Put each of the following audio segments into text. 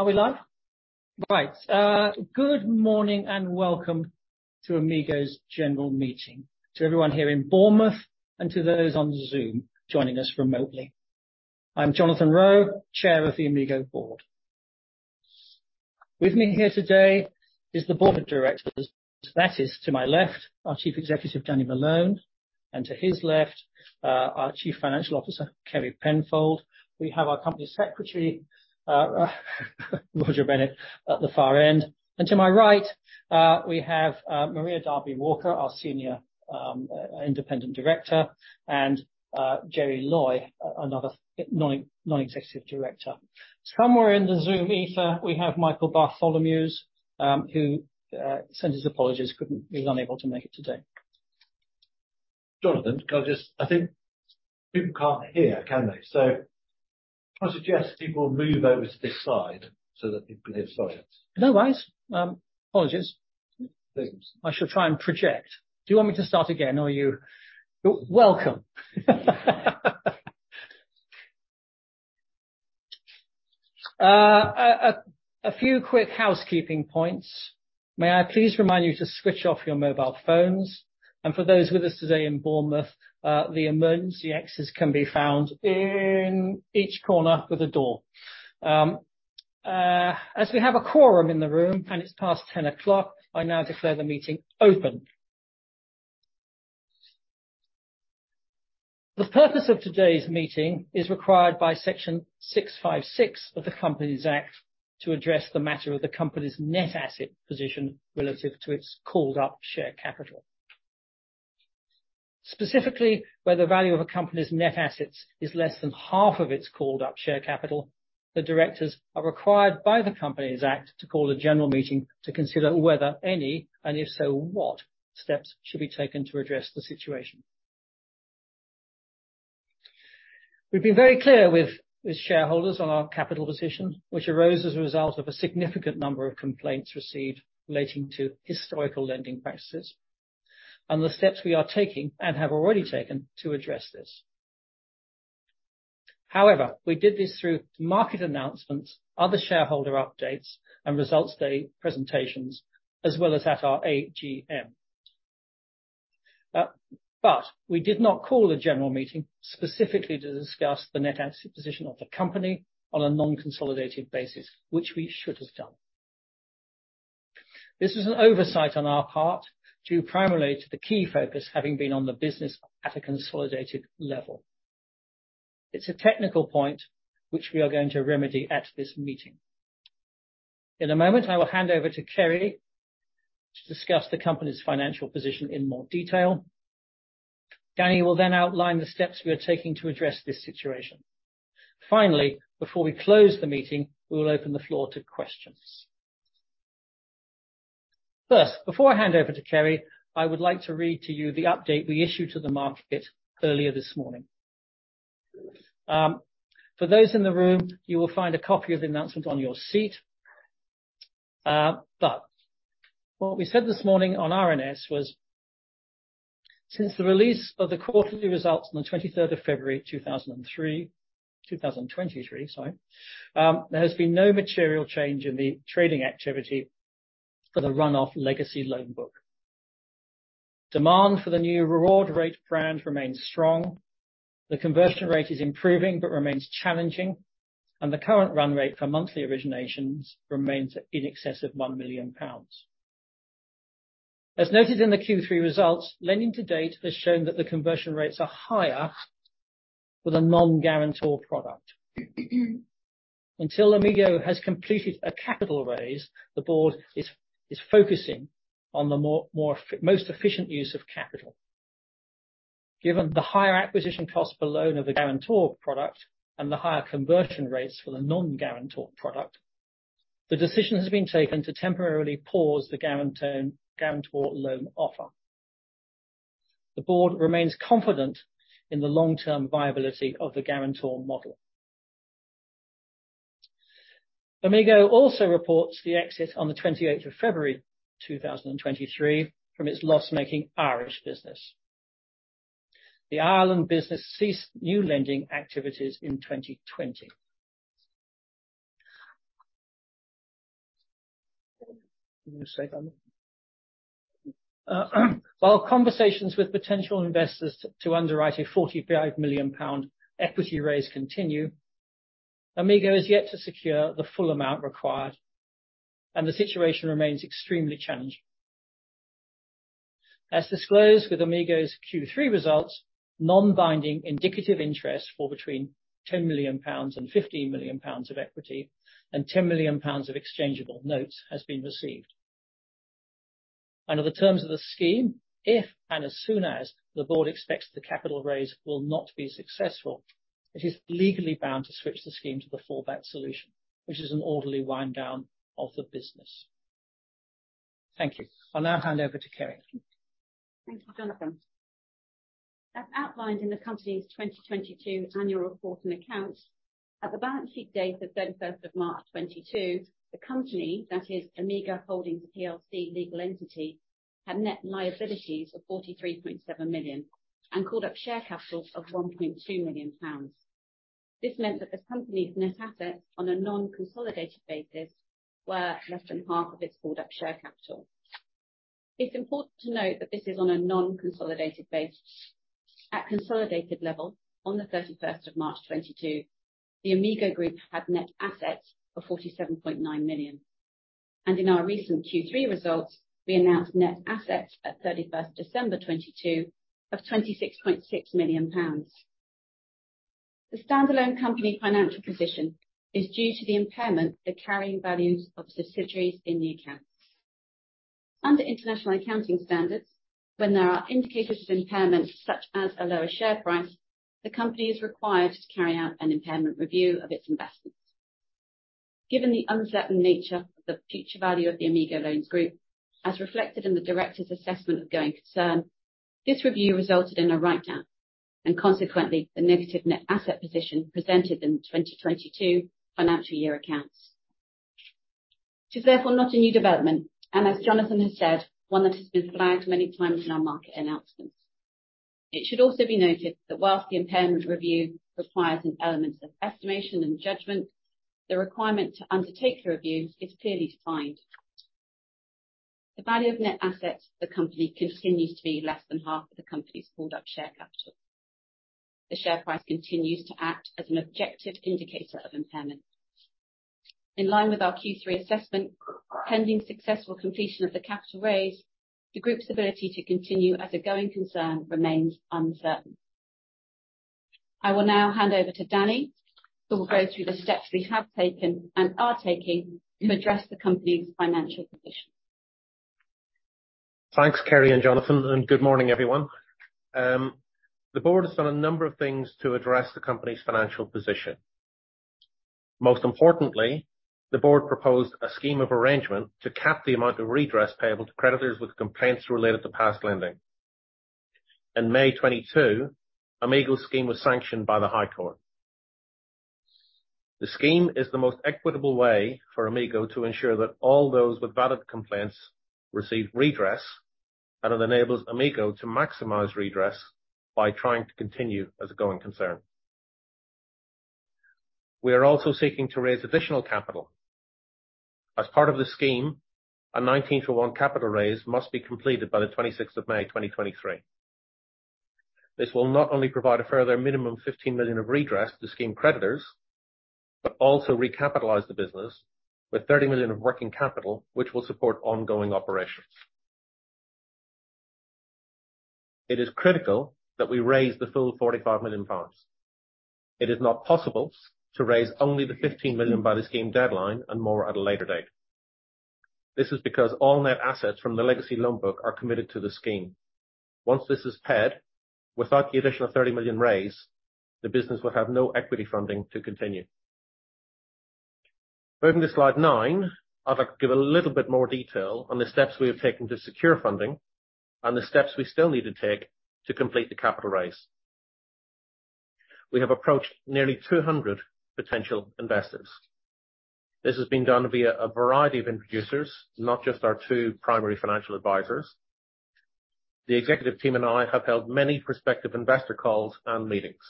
Are we live? Right. Good morning and welcome to Amigo's general meeting. To everyone here in Bournemouth and to those on Zoom joining us remotely. I'm Jonathan Roe, Chair of the Amigo board. With me here today is the board of directors. That is, to my left, our Chief Executive, Danny Malone, and to his left, our Chief Financial Officer, Kerry Penfold. We have our Company Secretary, Roger Bennett, at the far end. To my right, we have Maria Darby-Walker, our Senior Independent Director, and Jerry Loy, another Non-Executive Director. Somewhere in the Zoom ether, we have Michael Bartholomeusz, who sends his apologies couldn't. He was unable to make it today. Jonathan, I think people can't hear, can they? Can I suggest people move over to this side so that they can hear. Sorry. Is that right? Apologies. Thanks. I shall try and project. Do you want me to start again or welcome. A few quick housekeeping points. May I please remind you to switch off your mobile phones. For those with us today in Bournemouth, the emergency exits can be found in each corner with a door. As we have a quorum in the room and it's past 10 o'clock, I now declare the meeting open. The purpose of today's meeting is required by Section 656 of the Companies Act to address the matter of the company's net asset position relative to its called-up share capital. Specifically, where the value of a company's net assets is less than half of its called-up share capital, the directors are required by the Companies Act to call a general meeting to consider whether any, and if so, what steps should be taken to address the situation. We've been very clear with shareholders on our capital position, which arose as a result of a significant number of complaints received relating to historical lending practices, and the steps we are taking, and have already taken, to address this. We did this through market announcements, other shareholder updates, and results day presentations, as well as at our AGM. We did not call a general meeting specifically to discuss the net asset position of the company on a non-consolidated basis, which we should have done. This was an oversight on our part, due primarily to the key focus having been on the business at a consolidated level. It's a technical point, which we are going to remedy at this meeting. In a moment, I will hand over to Kerry to discuss the company's financial position in more detail. Danny will then outline the steps we are taking to address this situation. Finally, before we close the meeting, we will open the floor to questions. First, before I hand over to Kerry, I would like to read to you the update we issued to the market earlier this morning. For those in the room, you will find a copy of the announcement on your seat. What we said this morning on RNS was, since the release of the quarterly results on the 23rd of February 2003... 2023, sorry, there has been no material change in the trading activity for the runoff legacy loan book. Demand for the new RewardRate brand remains strong, the conversion rate is improving but remains challenging, The current run rate for monthly originations remains in excess of 1 million pounds. As noted in the Q3 results, lending to date has shown that the conversion rates are higher with a non-guarantor product. Until Amigo has completed a capital raise, the board is focusing on the most efficient use of capital. Given the higher acquisition cost per loan of the guarantor product and the higher conversion rates for the non-guarantor product, the decision has been taken to temporarily pause the guarantor loan offer. The board remains confident in the long-term viability of the guarantor model. Amigo also reports the exit on the 28th of February 2023 from its loss-making Irish business. The Ireland business ceased new lending activities in 2020. You say that one. While conversations with potential investors to underwrite a 45 million pound equity raise continue, Amigo has yet to secure the full amount required, and the situation remains extremely challenging. As disclosed with Amigo's Q3 results, non-binding indicative interest for between 10 million pounds and 15 million pounds of equity and 10 million pounds of exchangeable notes has been received. Under the terms of the scheme, if and as soon as the board expects the capital raise will not be successful, it is legally bound to switch the scheme to the fallback solution, which is an orderly wind down of the business. Thank you. I'll now hand over to Kerry. Thank you, Jonathan. As outlined in the company's 2022 annual report and accounts, at the balance sheet date of 31st of March 2022, the company, that is Amigo Holdings PLC legal entity had net liabilities of 43.7 million and called up share capital of 1.2 million pounds. This meant that the company's net assets on a non-consolidated basis were less than half of its called up share capital. It's important to note that this is on a non-consolidated basis. At consolidated level, on the 31st of March 2022, the Amigo Group had net assets of 47.9 million. In our recent Q3 results, we announced net assets at 31st December 2022 of 26.6 million pounds. The standalone company financial position is due to the impairment, the carrying values of subsidiaries in the accounts. Under International Accounting Standards, when there are indicators of impairment, such as a lower share price, the company is required to carry out an impairment review of its investments. Given the uncertain nature of the future value of the Amigo Loans Ltd, as reflected in the director's assessment of going concern, this review resulted in a write down and consequently, the negative net asset position presented in the 2022 financial year accounts. It is therefore not a new development, and as Jonathan has said, one that has been flagged many times in our market announcements. It should also be noted that whilst the impairment review requires an element of estimation and judgment, the requirement to undertake the review is clearly signed. The value of net assets of the company continues to be less than half of the company's called up share capital. The share price continues to act as an objective indicator of impairment. In line with our Q3 assessment, pending successful completion of the capital raise, the group's ability to continue as a going concern remains uncertain. I will now hand over to Danny, who will go through the steps we have taken and are taking to address the company's financial position. Thanks, Kerry and Jonathan. Good morning, everyone. The board has done a number of things to address the company's financial position. Most importantly, the board proposed a scheme of arrangement to cap the amount of redress payable to creditors with complaints related to past lending. In May 2022, Amigo scheme was sanctioned by the High Court. The scheme is the most equitable way for Amigo to ensure that all those with valid complaints receive redress. It enables Amigo to maximize redress by trying to continue as a going concern. We are also seeking to raise additional capital. As part of the scheme, a 19-to-1 capital raise must be completed by May 26th, 2023. This will not only provide a further minimum 15 million of redress to scheme creditors, but also recapitalize the business with 30 million of working capital, which will support ongoing operations. It is critical that we raise the full 45 million pounds. It is not possible to raise only the 15 million by the scheme deadline and more at a later date. This is because all net assets from the legacy loan book are committed to the scheme. Once this is paid, without the additional 30 million raise, the business would have no equity funding to continue. Moving to slide 9, I'd like to give a little bit more detail on the steps we have taken to secure funding and the steps we still need to take to complete the capital raise. We have approached nearly 200 potential investors. This has been done via a variety of introducers, not just our two primary financial advisors. The executive team and I have held many prospective investor calls and meetings.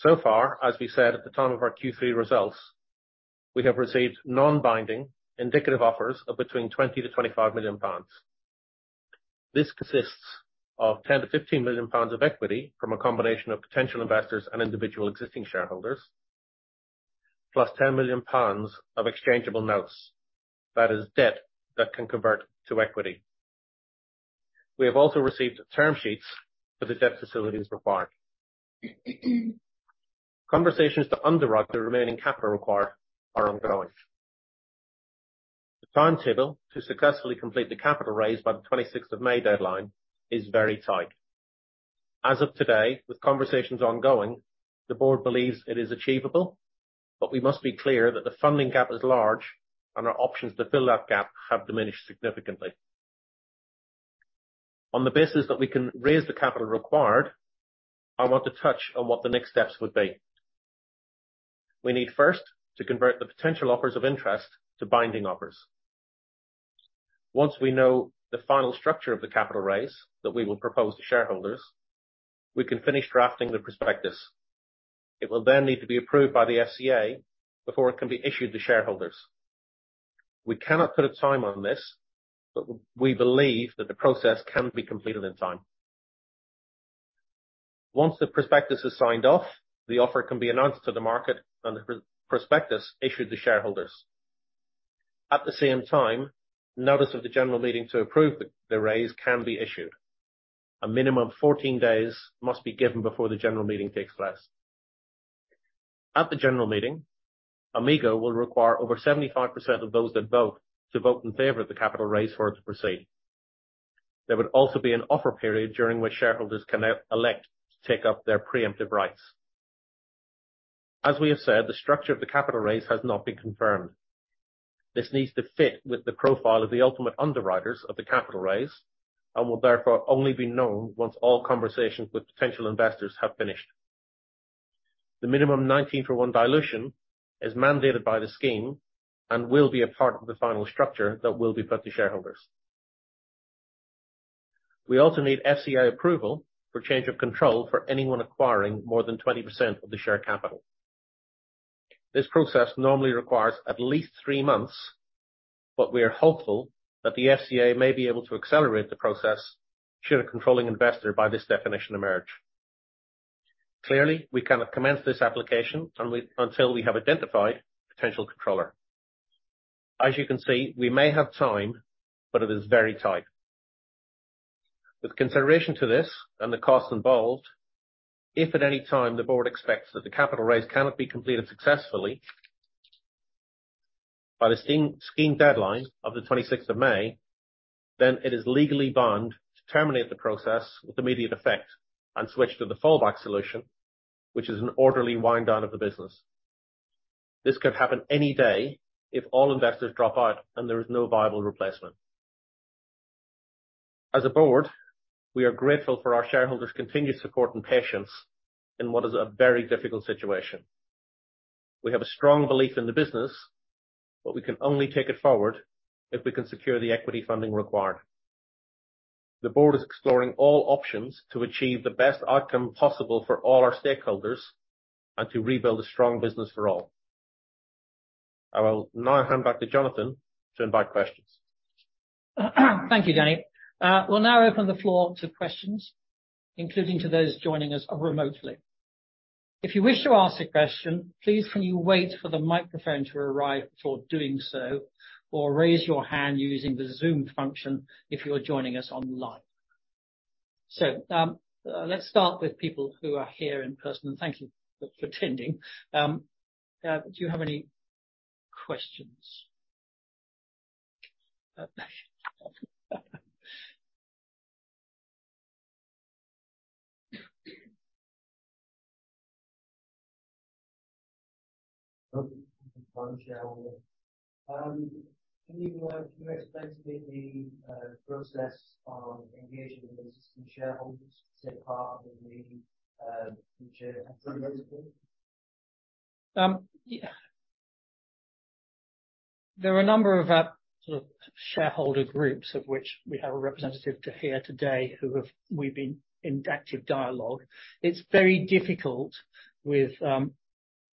Far, as we said at the time of our Q3 results, we have received non-binding indicative offers of between 20 million to 25 million pounds. This consists of 10 million to 15 million pounds of equity from a combination of potential investors and individual existing shareholders, plus 10 million pounds of exchangeable notes. That is debt that can convert to equity. We have also received term sheets for the debt facilities required. Conversations to underwrite the remaining capital required are ongoing. The timetable to successfully complete the capital raise by the 26th of May deadline is very tight. As of today, with conversations ongoing, the board believes it is achievable, but we must be clear that the funding gap is large and our options to fill that gap have diminished significantly. On the basis that we can raise the capital required, I want to touch on what the next steps would be. We need first to convert the potential offers of interest to binding offers. Once we know the final structure of the capital raise that we will propose to shareholders, we can finish drafting the prospectus. It will then need to be approved by the FCA before it can be issued to shareholders. We cannot put a time on this, but we believe that the process can be completed in time. Once the prospectus is signed off, the offer can be announced to the market and the prospectus issued to shareholders. At the same time, notice of the general meeting to approve the raise can be issued. A minimum 14 days must be given before the general meeting takes place. At the general meeting, Amigo will require over 75% of those that vote to vote in favor of the capital raise for it to proceed. There would also be an offer period during which shareholders can now elect to take up their preemptive rights. As we have said, the structure of the capital raise has not been confirmed. This needs to fit with the profile of the ultimate underwriters of the capital raise and will therefore only be known once all conversations with potential investors have finished. The minimum 19-to-1 dilution is mandated by the scheme and will be a part of the final structure that will be put to shareholders. We also need FCA approval for change of control for anyone acquiring more than 20% of the share capital. This process normally requires at least 3 months, we are hopeful that the FCA may be able to accelerate the process should a controlling investor by this definition emerge. Clearly, we cannot commence this application until we have identified potential controller. As you can see, we may have time, it is very tight. With consideration to this and the cost involved, if at any time the board expects that the capital raise cannot be completed successfully by the scheme deadline of the 26th of May, it is legally bound to terminate the process with immediate effect and switch to the fallback solution, which is an orderly wind down of the business. This could happen any day if all investors drop out and there is no viable replacement. As a board, we are grateful for our shareholders' continued support and patience in what is a very difficult situation. We have a strong belief in the business, but we can only take it forward if we can secure the equity funding required. The board is exploring all options to achieve the best outcome possible for all our stakeholders and to rebuild a strong business for all. I will now hand back to Jonathan to invite questions. Thank you, Danny. We'll now open the floor to questions, including to those joining us remotely. If you wish to ask a question, please can you wait for the microphone to arrive before doing so, or raise your hand using the Zoom function if you're joining us online. Let's start with people who are here in person, and thank you for attending. Do you have any questions? One shareholder. Can you explain to me the process of engaging with existing shareholders to take part in the future? There are a number of sort of shareholder groups of which we have a representative to here today who have. We've been in active dialogue. It's very difficult with,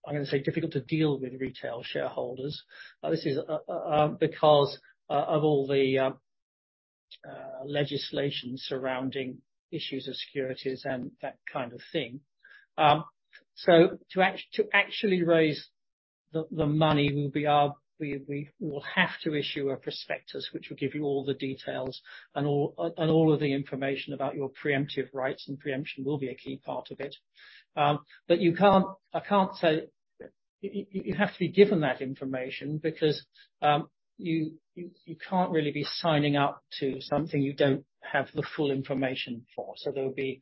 I'm gonna say difficult to deal with retail shareholders. This is because of all the legislation surrounding issues of securities and that kind of thing. To actually raise the money we will have to issue a prospectus, which will give you all the details and all of the information about your preemptive rights, and preemption will be a key part of it. You can't. I can't say. You have to be given that information because you can't really be signing up to something you don't have the full information for. There'll be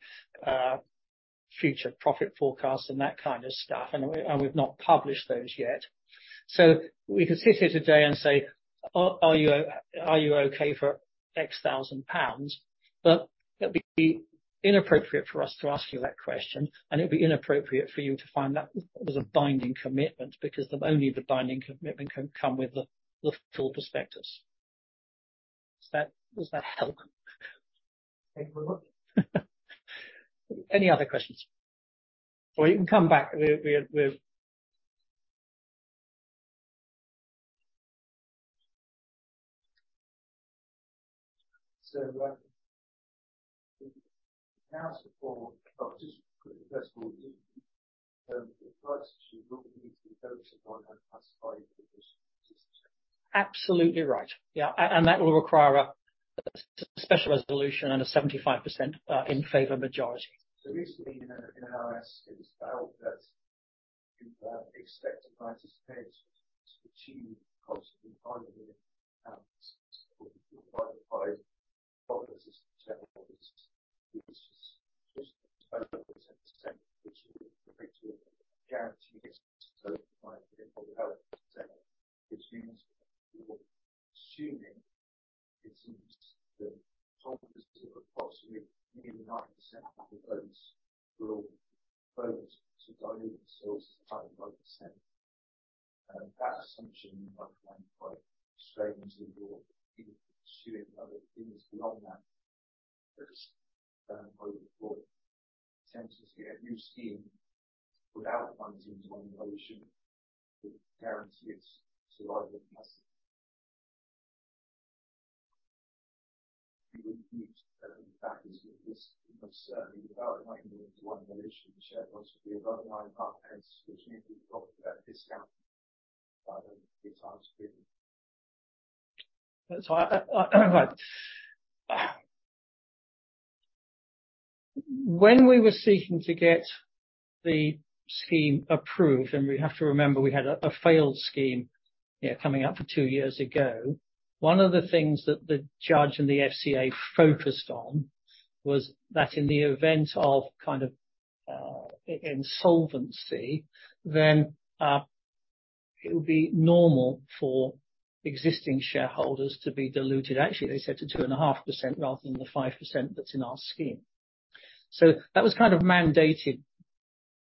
future profit forecasts and that kind of stuff, and we've not published those yet. We can sit here today and say, "Are you okay for X thousand GBP?" It'd be inappropriate for us to ask you that question, and it'd be inappropriate for you to find that was a binding commitment, because the only binding commitment can come with the full prospectus. Does that help? Thank you very much. Any other questions? You can come back. We're. So, uh, Absolutely Your right. Yeah, and that will require a special resolution and a 75% in favor majority. Recently in RNS, it was felt that expected price to change to achieve positive value which is just about 0.07%, which would effectively guarantee this assuming it seems that holders of approximately nearly 90% of the votes will vote to dilute themselves by 0.07%. That assumption I find quite strange that you're even pursuing other things beyond that. In order for it to stand to see a new scheme without running into annihilation would guarantee its survival capacity. You would need this must certainly develop into annihilation. The shareholders would be above GBP 0.095, which means you've got a discount by the. That's why, when we were seeking to get the scheme approved, and we have to remember we had a failed scheme, coming up for 2 years ago, one of the things that the judge and the FCA focused on was that in the event of insolvency, it would be normal for existing shareholders to be diluted, actually they said to 2.5% rather than the 5% that's in our scheme. That was mandated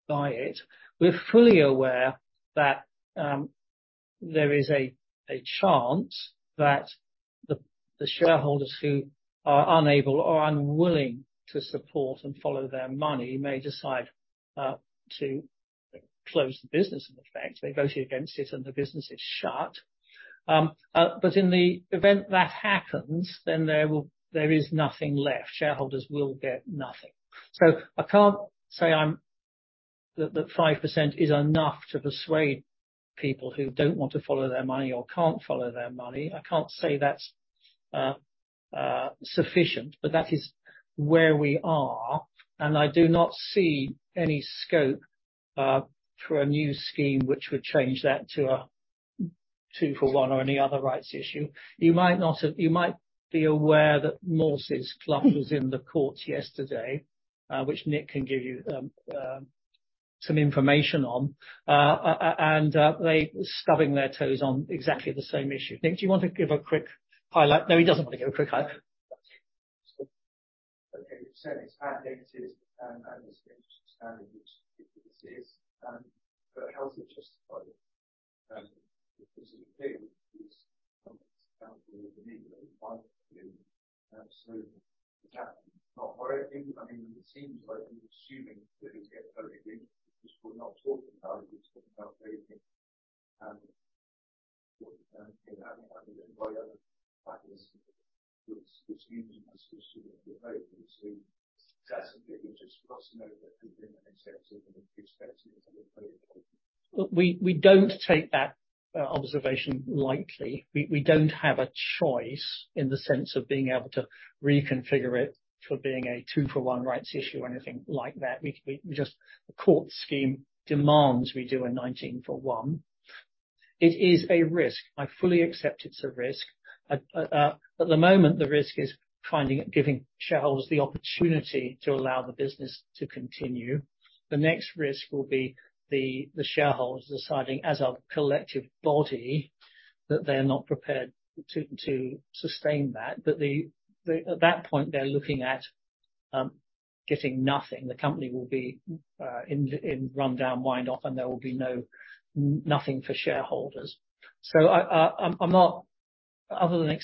by it. We're fully aware that there is a chance that the shareholders who are unable or unwilling to support and follow their money may decide to close the business. In effect, they voted against it and the business is shut. In the event that happens, there is nothing left. Shareholders will get nothing. I can't say that 5% is enough to persuade people who don't want to follow their money or can't follow their money. I can't say that's sufficient, but that is where we are. I do not see any scope for a new scheme which would change that to a 2 for 1 or any other rights issue. You might be aware that Morses Club was in the courts yesterday, which Nick can give you some information on. They were stubbing their toes on exactly the same issue. Nick, do you want to give a quick highlight? No, he doesn't want to give a quick high. Okay. it's at negatives and it's [inaudible] We don't take that observation lightly. We don't have a choice in the sense of being able to reconfigure it for being a 2 for 1 rights issue or anything like that. We just. The court scheme demands we do a 19-to-1. It is a risk. I fully accept it's a risk. At the moment, the risk is finding, giving shareholders the opportunity to allow the business to continue. The next risk will be the shareholders deciding as a collective body that they're not prepared to sustain that. At that point, they're looking at getting nothing. The company will be in rundown, wind off, and there will be nothing for shareholders. I'm not other than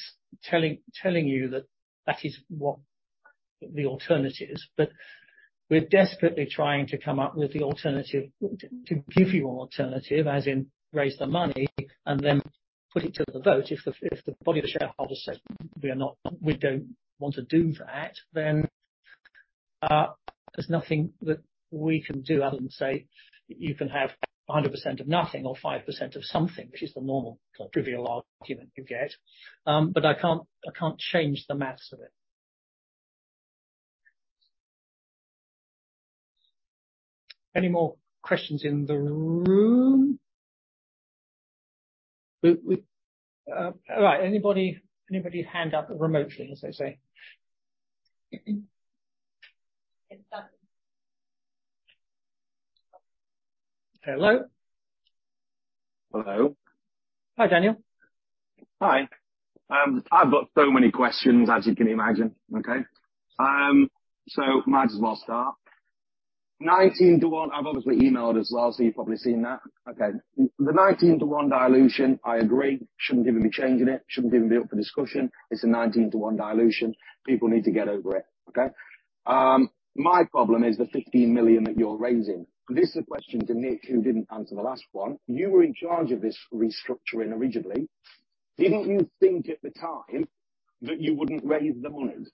telling you that that is what the alternative is. We're desperately trying to come up with the alternative to give you an alternative, as in raise the money and then put it to the vote. If the body of shareholders say, "We are not. We don't want to do that," then, there's nothing that we can do other than say, "You can have 100% of nothing or 5% of something," which is the normal kind of trivial argument you get. I can't, I can't change the math of it. Any more questions in the room? We... All right. Anybody's hand up remotely, as they say? Hello. Hello. Hi, Danny. Hi. I've got so many questions, as you can imagine. Okay? Might as well start. Nineteen to one, I've obviously emailed as well, you've probably seen that. Okay. The nineteen to one dilution, I agree, shouldn't even be changing it, shouldn't even be up for discussion. It's a nineteen to one dilution. People need to get over it. Okay? My problem is the 15 million that you're raising. This is a question to Nick, who didn't answer the last one. You were in charge of this restructuring originally. Didn't you think at the time that you wouldn't raise the money?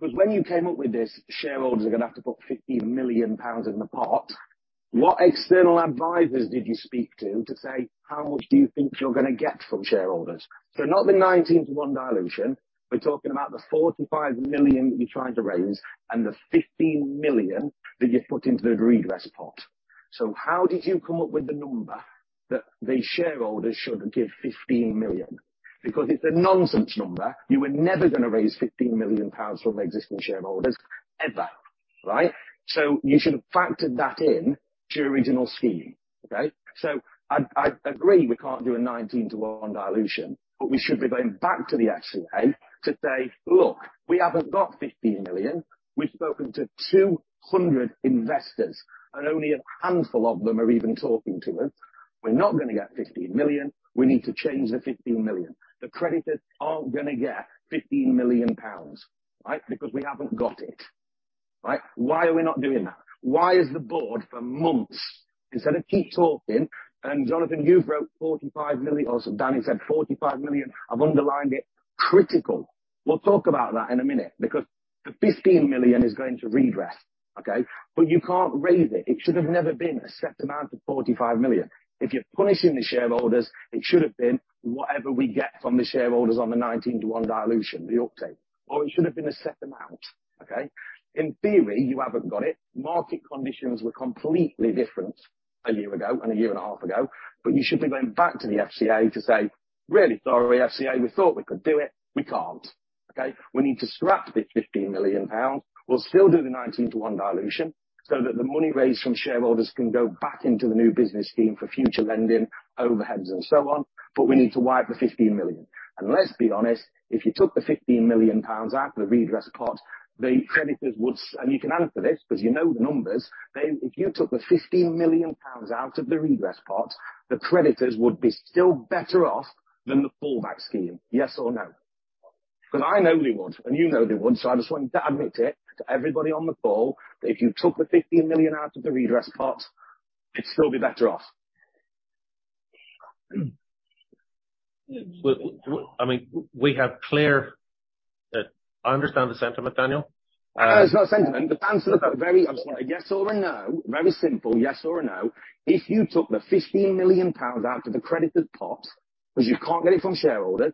When you came up with this, shareholders are gonna have to put 50 million pounds in the pot. What external advisors did you speak to say, how much do you think you're gonna get from shareholders? Not the nineteen to one dilution. We're talking about the 45 million that you're trying to raise and the 15 million that you've put into the redress pot. How did you come up with the number that the shareholders should give 15 million? It's a nonsense number. You were never gonna raise 15 million pounds from existing shareholders ever, right? You should have factored that in to your original scheme. Okay? I agree we can't do a 19-to-1 dilution, but we should be going back to the FCA to say, "Look, we haven't got 15 million. We've spoken to 200 investors, and only a handful of them are even talking to us. We're not gonna get 15 million. We need to change the 15 million." The creditors aren't gonna get 15 million pounds, right? We haven't got it, right? Why are we not doing that? Why is the board for months instead of keep talking. Jonathan, you've wrote 45 million or Danny said 45 million. I've underlined it critical. We'll talk about that in a minute because the 15 million is going to redress. Okay? You can't raise it. It should have never been a set amount of 45 million. If you're punishing the shareholders, it should have been whatever we get from the shareholders on the 19-to-1 dilution, the uptake, or it should have been a set amount. Okay? In theory, you haven't got it. Market conditions were completely different a year ago and a year and a half ago. You should be going back to the FCA to say, "Really sorry, FCA, we thought we could do it, we can't." Okay, we need to scrap this 15 million pounds. We'll still do the 19-to-1 dilution so that the money raised from shareholders can go back into the new business scheme for future lending, overheads and so on. We need to wipe the 15 million. Let's be honest, if you took the 15 million pounds out of the redress pot, the creditors would. You can answer this because you know the numbers. If you took the 15 million pounds out of the redress pot, the creditors would be still better off than the fallback scheme. Yes or no? Cause I know they would, and you know they would. I just want you to admit it to everybody on the call that if you took the 15 million out of the redress pot, it'd still be better off. Well, I mean, we have clear. I understand the sentiment, Daniel. No, it's not a sentiment. I'm sorry. Yes or a no. Very simple, yes or a no. If you took the 15 million pounds out of the credited pot, cause you can't get it from shareholder,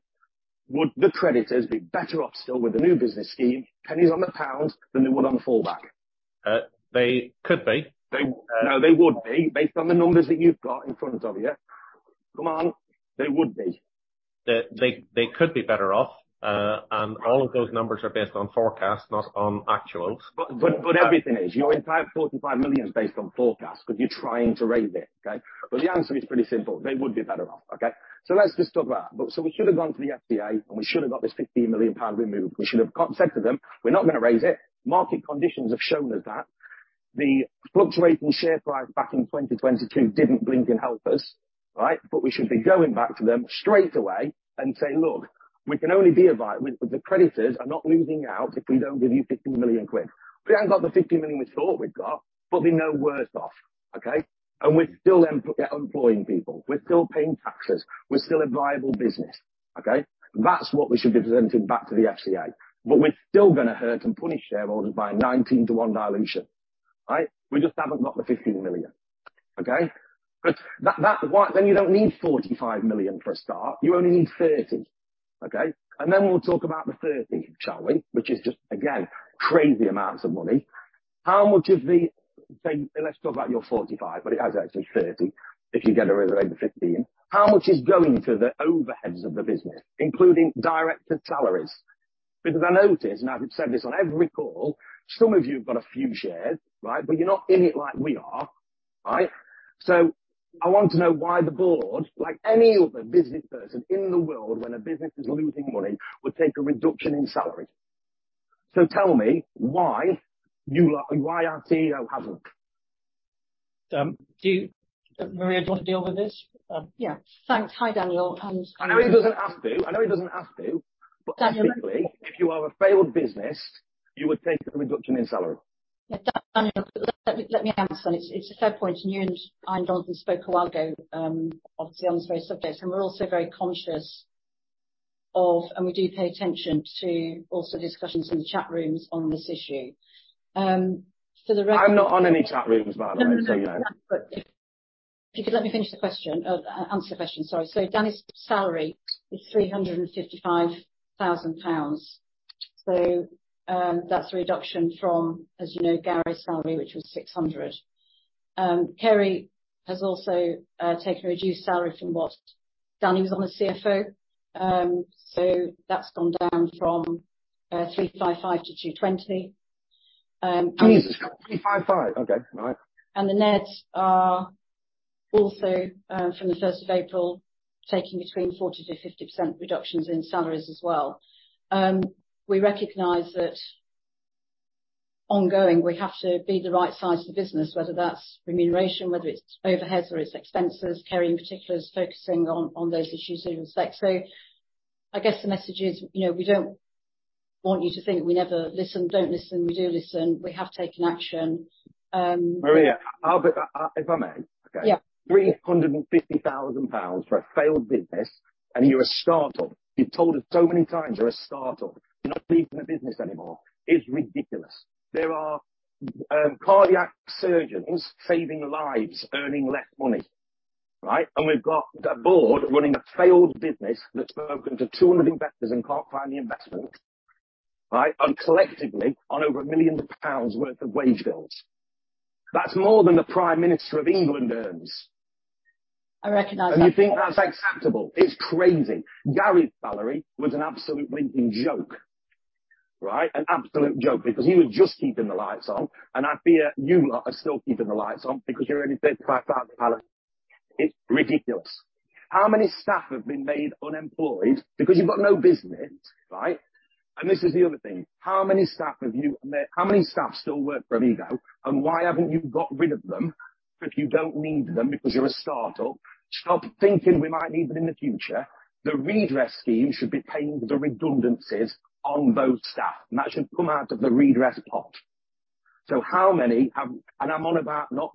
would the creditors be better off still with the new business scheme, pennies on the pound, than they would on the fallback? They could be. No, they would be, based on the numbers that you've got in front of you. Come on, they would be. They could be better off. All of those numbers are based on forecasts, not on actuals. Everything is. Your entire 45 million is based on forecasts because you're trying to raise it, okay? The answer is pretty simple. They would be better off. Okay? Let's just talk about. We should have gone to the FCA, and we should have got this 15 million pound removed. We should have said to them, "We're not going to raise it. Market conditions have shown us that." The fluctuating share price back in 2022 didn't blinking help us, right? We should be going back to them straight away and say, "Look, we can only be a viable. The creditors are not losing out if we don't give you 15 million quid. We haven't got the 50 million we thought we'd got, but they're no worse off, okay? We're still employing people. We're still paying taxes. We're still a viable business." Okay? That's what we should be presenting back to the FCA. We're still gonna hurt and punish shareholders by 19-to-1 dilution. Right? We just haven't got the 15 million. Okay? That's why you don't need 45 million for a start. You only need 30 million. Okay? We'll talk about the 30 million, shall we? Which is just, again, crazy amounts of money. Let's talk about your 45 million, but it has actually 30 million if you get a rid of over 15 million. How much is going to the overheads of the business, including director salaries? I notice, and I've said this on every call, some of you have got a few shares, right? You're not in it like we are, right? I want to know why the board, like any other business person in the world, when a business is losing money, would take a reduction in salary. Tell me why you lot, why RTO hasn't. Maria, do you want to deal with this? Yeah. Thanks. Hi, Danny. I know he doesn't have to. Daniel- Typically, if you are a failed business, you would take a reduction in salary. Yeah. Daniel, let me answer. It's a fair point. You and Ian Johnson spoke a while ago, obviously on this very subject. We're also very conscious of, and we do pay attention to also discussions in the chat rooms on this issue. For the record- I'm not on any chat rooms, by the way, so you know. No, no, but if you could let me finish the question. answer the question, sorry. Danny's salary is 355,000 pounds. that's a reduction from, as you know, Gary's salary, which was 600,000. Kerry has also taken a reduced salary from what Danny was on as CFO. that's gone down from 355,000 to 220,000. 355? Okay. All right. The Neds are also, from the first of April, taking between 40%-50% reductions in salaries as well. We recognize that ongoing, we have to be the right size for business, whether that's remuneration, whether it's overheads or it's expenses. Kerry in particular is focusing on those issues with respect. I guess the message is, you know, we don't want you to think we never listen, don't listen. We do listen. We have taken action. Maria, If I may, okay. Yeah. 350,000 pounds for a failed business. You're a startup. You've told us so many times you're a startup. You're not keeping a business anymore. It's ridiculous. There are cardiac surgeons saving lives, earning less money, right? We've got a board running a failed business that's spoken to 200 investors and can't find the investment, right? Collectively on over 1 million pounds worth of wage bills. That's more than the Prime Minister of England earns. I recognize that. You think that's acceptable. It's crazy. Gary's salary was an absolute blinking joke, right? An absolute joke because he was just keeping the lights on, and I fear you lot are still keeping the lights on because you're only 35,000 pounds. It's ridiculous. How many staff have been made unemployed because you've got no business, right? This is the other thing. How many staff still work for Amigo, and why haven't you got rid of them if you don't need them because you're a startup? Stop thinking we might need them in the future. The redress scheme should be paying the redundancies on those staff, and that should come out of the redress pot. How many have... I'm on about not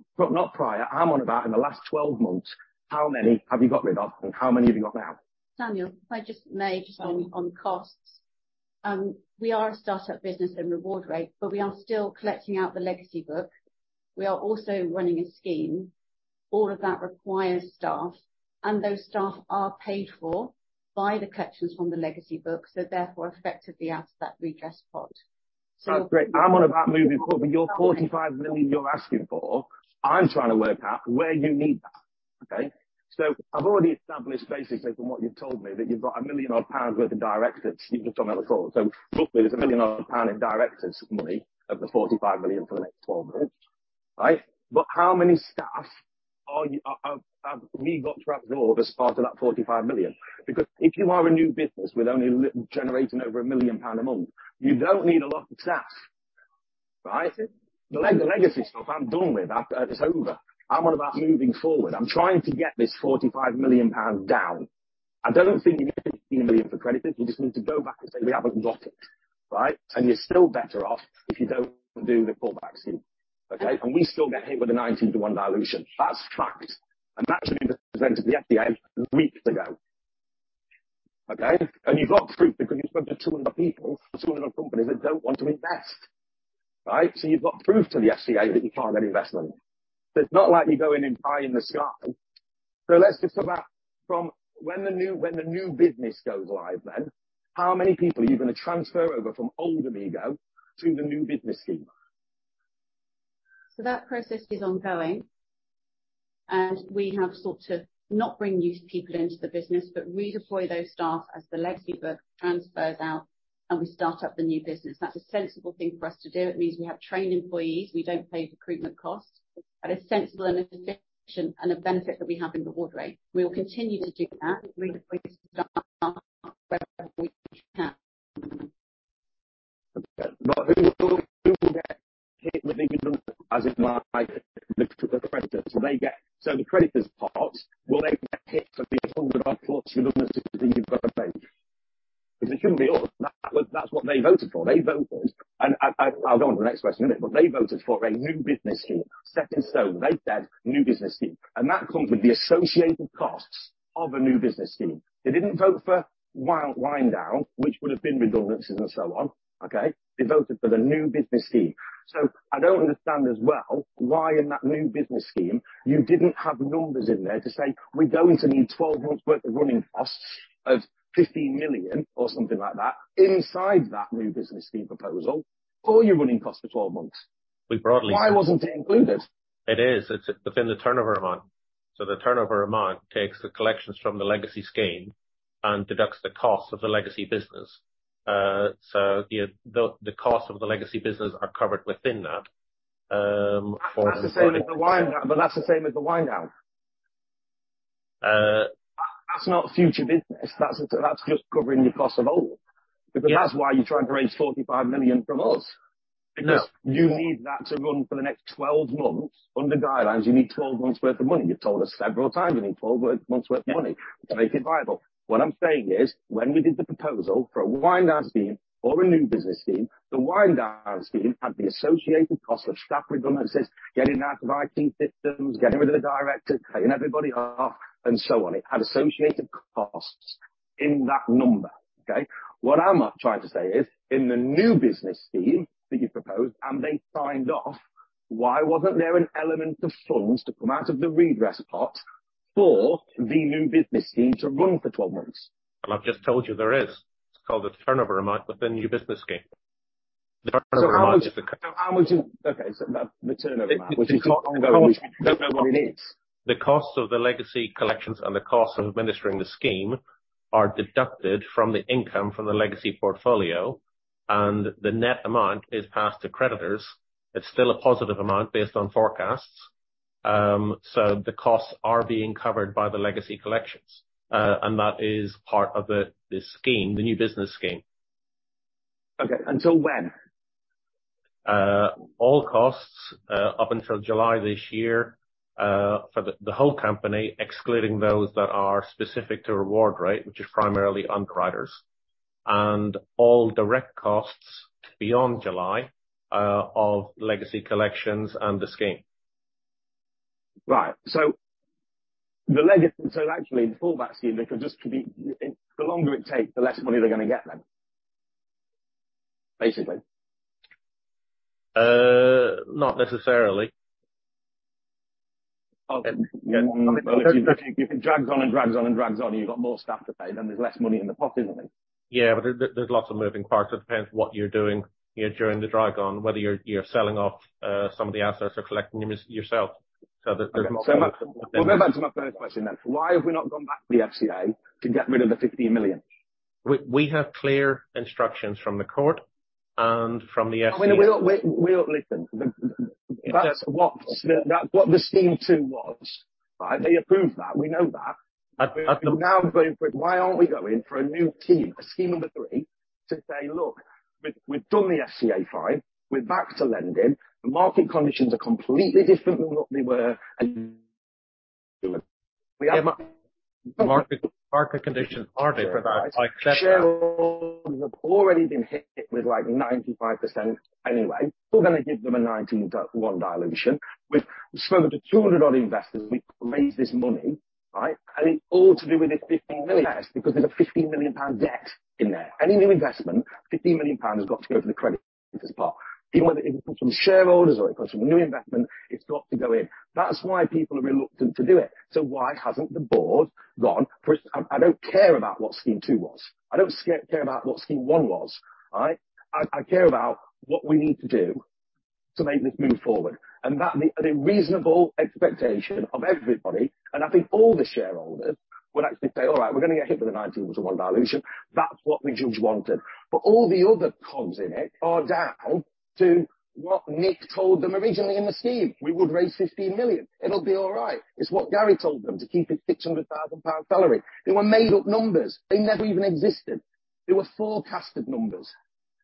prior, I'm on about in the last 12 months, how many have you got rid of and how many have you got now? Daniel, if I just may, just on costs. We are a startup business and RewardRate, but we are still collecting out the legacy book. We are also running a scheme. All of that requires staff, and those staff are paid for by the collections from the legacy book, so therefore effectively out of that redress pot. That's great. I'm on about moving forward, your 45 million you're asking for, I'm trying to work out where you need that. Okay. I've already established, basically, from what you've told me, that you've got 1 million pounds odd worth of directors. You've just told me on the call. Roughly there's 1 million pounds odd in directors' money of the 45 million for the next 12 months, right? How many staff have we got to absorb as part of that 45 million? If you are a new business with only generating over 1 million pound a month, you don't need a lot of staff. Right? The legacy stuff I'm done with. It's over. I'm all about moving forward. I'm trying to get this 45 million pounds down. I don't think you need 15 million for creditors. You just need to go back and say, "We haven't got it." Right? You're still better off if you don't do the pullback scheme. Okay? We still get hit with the 19-to-1 dilution. That's fact. That's what we presented to the FCA weeks ago. Okay? You've got proof because you spoke to 200 people, 200 companies that don't want to invest, right? You've got proof to the FCA that you can't get investment. It's not like you're going and pie in the sky. Let's just go back from when the new business goes live, then, how many people are you gonna transfer over from old Amigo to the new business scheme? That process is ongoing, and we have sought to not bring new people into the business, but redeploy those staff as the legacy book transfers out and we start up the new business. That's a sensible thing for us to do. It means we have trained employees, we don't pay recruitment costs. At a sensible and efficient, and a benefit that we have in RewardRate. We will continue to do that, redeploy staff where we can. Okay. Who will get hit with the redundancies, as in like the creditors? Will the creditors' part, will they get hit for the 100 odd thoughts you're looking to see you've got to pay? It shouldn't be us. That's what they voted for. I'll go on to the next question in a minute, but they voted for a new business scheme. Second so, they said, "New business scheme." That comes with the associated costs of a new business scheme. They didn't vote for wind down, which would have been redundancies and so on. Okay? They voted for the new business scheme. I don't understand as well why in that new business scheme you didn't have numbers in there to say, "We're going to need 12 months worth of running costs of 15 million," or something like that, inside that new business scheme proposal, or your running cost for 12 months. We. Why wasn't it included? It is. It's within the turnover amount. The turnover amount takes the collections from the legacy scheme and deducts the cost of the legacy business. you know, the cost of the legacy business are covered within that. That's the same with the wind down. That's the same with the wind down. Uh- That's not future business. That's just covering your cost of old. Yeah. That's why you're trying to raise 45 million from us. No. Because you need that to run for the next 12 months. Under guidelines, you need 12 months worth of money. You've told us several times you need 12 months' worth of money. Yeah. -to make it viable. What I'm saying is, when we did the proposal for a wind down scheme or a new business scheme, the wind down scheme had the associated cost of staff redundancies, getting out of IT systems, getting rid of the directors, paying everybody off, and so on. It had associated costs in that number. Okay? What I'm trying to say is, in the new business scheme that you proposed and they signed off, why wasn't there an element of funds to come out of the redress pot for the new business scheme to run for 12 months? I've just told you there is. It's called a turnover amount within the new business scheme. The turnover amount. how much is. Okay. the turnover amount, which is an. No, no. It is. The cost of the legacy collections and the cost of administering the scheme are deducted from the income from the legacy portfolio, and the net amount is passed to creditors. It's still a positive amount based on forecasts. The costs are being covered by the legacy collections. That is part of the scheme, the new business scheme. Okay. Until when? All costs, up until July this year, for the whole company, excluding those that are specific to RewardRate, which is primarily underwriters, and all direct costs beyond July, of legacy collections and the scheme. Right. actually the pullback scheme, they could just be... The longer it takes, the less money they're gonna get then? Basically. Not necessarily. Oh, if it drags on and drags on and drags on and you've got more staff to pay, then there's less money in the pot, isn't it? Yeah. There's lots of moving parts. It depends what you're doing, you know, during the drag on, whether you're selling off some of the assets or collecting them as yourself. There's lots of. We'll go back to my first question. Why have we not gone back to the FCA to get rid of the 15 million? We have clear instructions from the court and from the FCA. I mean, we Listen, that's what the scheme 2 was. Right? They approved that. We know that. At Why aren't we going for a new team, a scheme number three, to say, "Look, we've done the FCA fine. We're back to lending. The market conditions are completely different than what they were and"? The market conditions aren't different. I accept that. Shareholders have already been hit with like 95% anyway. We're gonna give them a 19-to-1 dilution. We've spoken to 200 odd investors. We've raised this money, right? It's all to do with this 50 million, because there's a 50 million pound debt in there. Any new investment, 50 million pound has got to go to the creditors pot. If it's from shareholders or it comes from a new investment, it's got to go in. That's why people are reluctant to do it. Why hasn't the board gone... I don't care about what scheme 2 was. I don't care about what scheme 1 was. All right? I care about what we need to do to make this move forward. That is a reasonable expectation of everybody. I think all the shareholders would actually say, "All right, we're gonna get hit with the 19-to-1 dilution. That's what the judge wanted." All the other cons in it are down to what Nick told them originally in the scheme. We would raise 15 million. It'll be all right. It's what Gary told them to keep his 600 thousand pound salary. They were made-up numbers. They never even existed. They were forecasted numbers.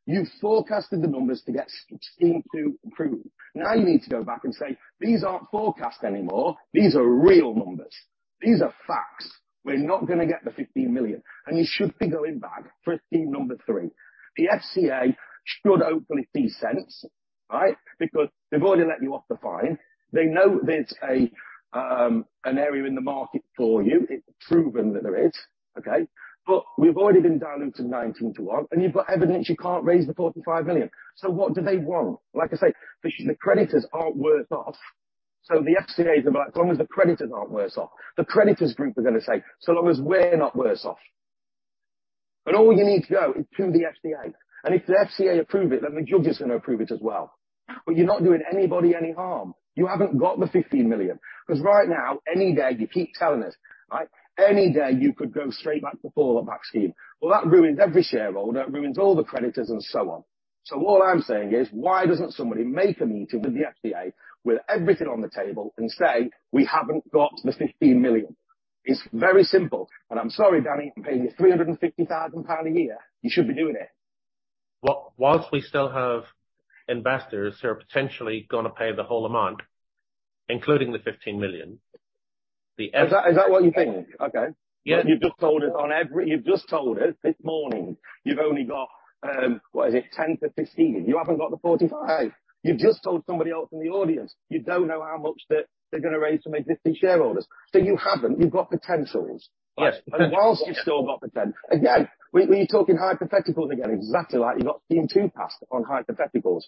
You forecasted the numbers to get scheme 2 approved. You need to go back and say, "These aren't forecasts anymore. These are real numbers. These are facts. We're not gonna get the 15 million." You should be going back for a scheme number 3. The FCA should hopefully see sense, right? They've already let you off the fine. They know there's an area in the market for you. It's proven that there is, okay? We've already been diluted 19-to-1, and you've got evidence you can't raise the 45 million, so what do they want? Like I say, the creditors aren't worse off. The FCA is about as long as the creditors aren't worse off, the creditors group are gonna say, "So long as we're not worse off." All you need to go is to the FCA. If the FCA approve it, then the judge is gonna approve it as well. You're not doing anybody any harm. You haven't got the 15 million. Right now, any day you keep telling us, right? Any day you could go straight back to fallout scheme. Well, that ruins every shareholder, it ruins all the creditors, and so on. All I'm saying is why doesn't somebody make a meeting with the FCA with everything on the table and say, "We haven't got the 15 million"? It's very simple. I'm sorry, Danny, I'm paying you 350,000 pound a year, you should be doing it. Well, whilst we still have investors who are potentially gonna pay the whole amount, including the 15 million. Is that what you think? Okay. Yeah. You've just told us this morning you've only got, what is it? 10 for 15. You haven't got the 45. You've just told somebody else in the audience, you don't know how much that they're gonna raise from existing shareholders. You haven't. You've got potentials. Yes. Whilst you've still got potential. Again, we're talking hypotheticals again, exactly like you got scheme two passed on hypotheticals.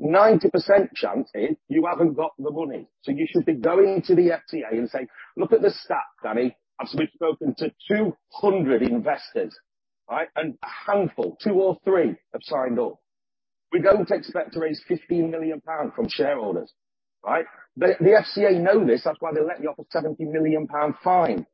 90% chance is you haven't got the money. You should be going to the FCA and saying, "Look at the stat, Danny. As we've spoken to 200 investors, right? And a handful, 2 or 3 have signed up. We don't expect to raise 15 million pounds from shareholders." Right? The FCA know this. That's why they let you off a 70 million pound fine.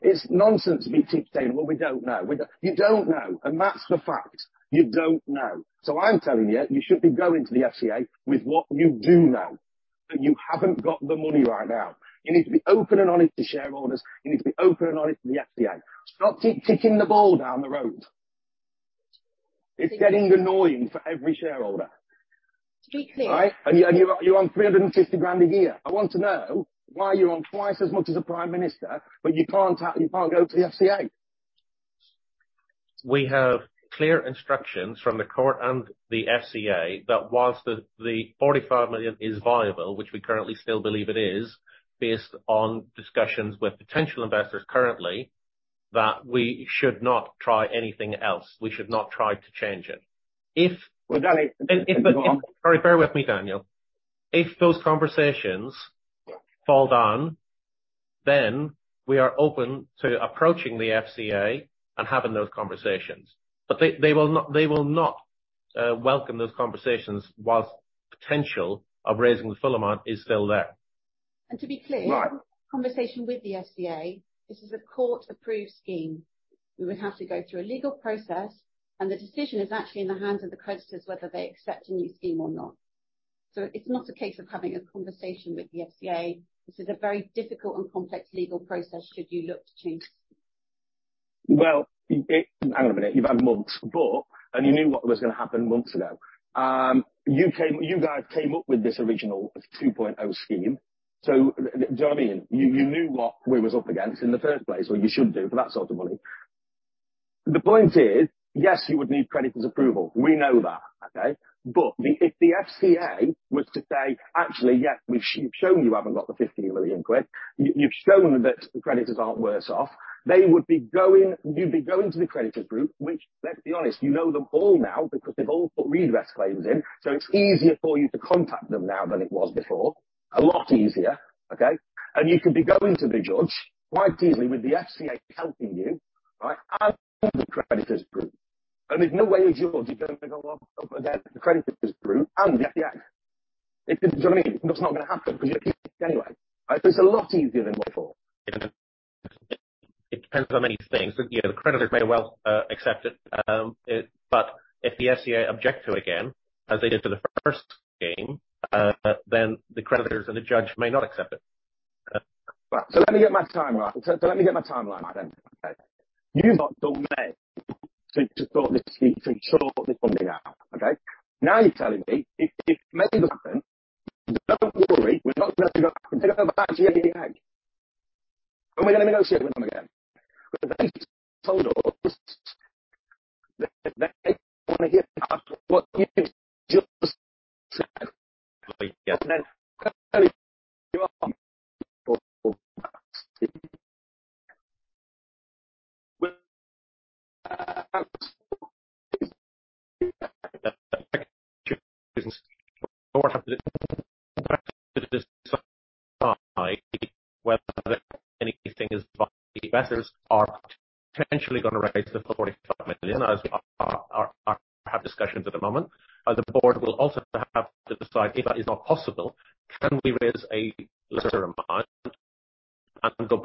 It's nonsense to be saying, "Well, we don't know." You don't know. That's the fact. You don't know. I'm telling you should be going to the FCA with what you do know. That you haven't got the money right now. You need to be open and honest to shareholders. You need to be open and honest to the FCA. Stop ticking the ball down the road. It's getting annoying for every shareholder. To be clear. All right? You're on 350,000 a year. I want to know why you're on twice as much as the Prime Minister, you can't go to the FCA. We have clear instructions from the court and the FCA that while the 45 million is viable, which we currently still believe it is, based on discussions with potential investors currently, that we should not try anything else. We should not try to change it. Well, Danny- If Sorry, bear with me, Danny. If those conversations fall down, then we are open to approaching the FCA and having those conversations. They will not welcome those conversations whilst potential of raising the full amount is still there. to be clear. Right. Conversation with the FCA. This is a court-approved scheme. We would have to go through a legal process, and the decision is actually in the hands of the creditors, whether they accept a new scheme or not. It's not a case of having a conversation with the FCA. This is a very difficult and complex legal process should you look to change. Hang on a minute. You've had months, you knew what was going to happen months ago. You guys came up with this original 2.0 scheme. Do you know what I mean? You knew what we were up against in the first place, or you should do for that sort of money. The point is, yes, you would need creditors' approval. We know that, okay? If the FCA was to say, "Actually, yeah, you've shown you haven't got the 50 million quid. You've shown that the creditors aren't worse off." You'd be going to the creditors group, which let's be honest, you know them all now because they've all put redress claims in. It's easier for you to contact them now than it was before. A lot easier, okay? You could be going to the judge quite easily with the FCA helping you, right? The creditors group. There's no way a judge is gonna go, "Well, the creditors group and the FCA." Do you know what I mean? That's not gonna happen because you're keeping it anyway. Right? It's a lot easier than before. It depends on many things. You know, the creditors may well accept it, but if the FCA object to again, as they did to the first scheme, then the creditors and the judge may not accept it. Right. Let me get my timeline right then, okay. You lot got May to sort this scheme, to sort this funding out. Okay? Now you're telling me if May doesn't happen, don't worry, we're not gonna have to go back to the FCA. We're gonna negotiate with them again. They told us that they wanna hear about what you just said. Yes. Can I tell you? To decide whether anything is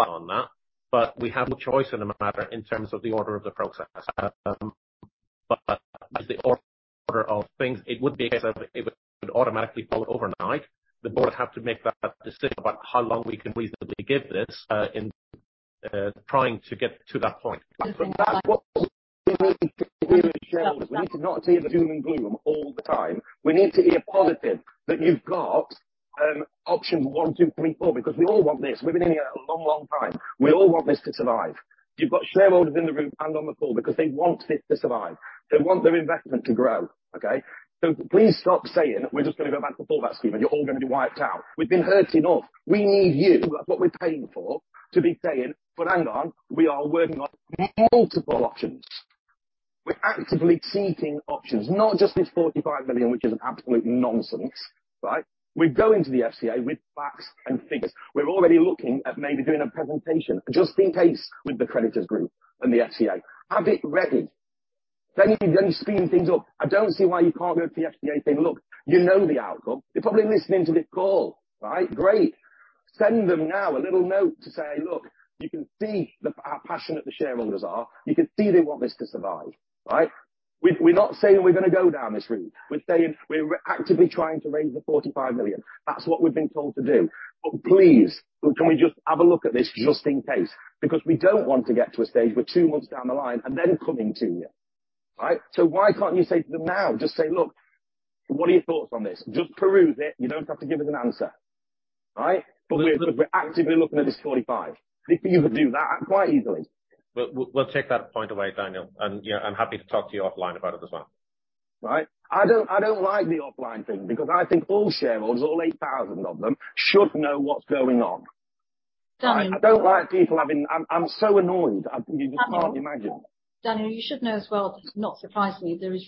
Daniel, you should know what's going on [inaudible] Daniel, well, not surprisingly, there is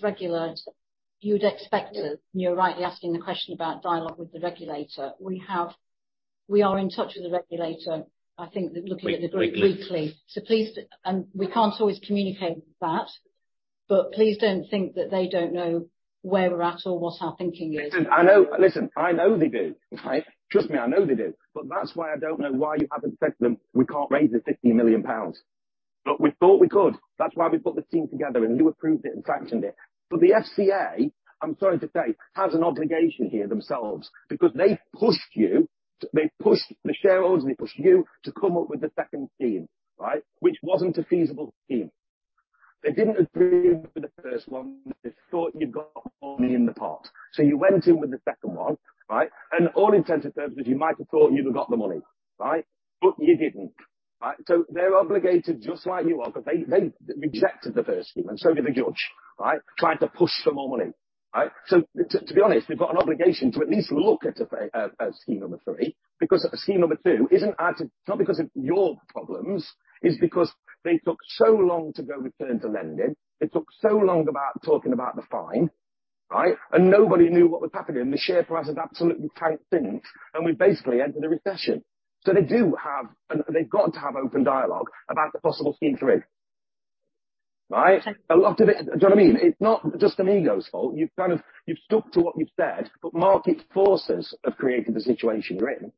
you would expect to, and you're rightly asking the question about dialogue with the regulator. We are in touch with the regulator. I think they're looking at it weekly. Please, and we can't always communicate that. Please don't think that they don't know where we're at or what our thinking is. Listen, I know. Listen, I know they do. Right? Trust me, I know they do. That's why I don't know why you haven't said to them, we can't raise the 50 million pounds. We thought we could. That's why we put the team together and you approved it and sanctioned it. The FCA, I'm sorry to say, has an obligation here themselves, because they pushed you, they pushed the shareholders, and they pushed you to come up with a second scheme, right? Which wasn't a feasible scheme. They didn't agree with the first one. They thought you got money in the pot. You went in with the second one, right? All intents and purposes, you might have thought you'd have got the money, right? You didn't, right? They're obligated just like you are, they rejected the first scheme, and so did the judge, right? Trying to push for more money, right? To be honest, they've got an obligation to at least look at scheme number 3, because scheme number 2 isn't not because of your problems, it's because they took so long to go return to lending. It took so long about talking about the fine, right? Nobody knew what was happening. The share price has absolutely tanked since, and we basically entered a recession. They've got to have open dialogue about the possible scheme 3. Right? A lot of it... Do you know what I mean? It's not just Amigo's fault. You've kind of, you've stuck to what you said, market forces have created the situation you're in.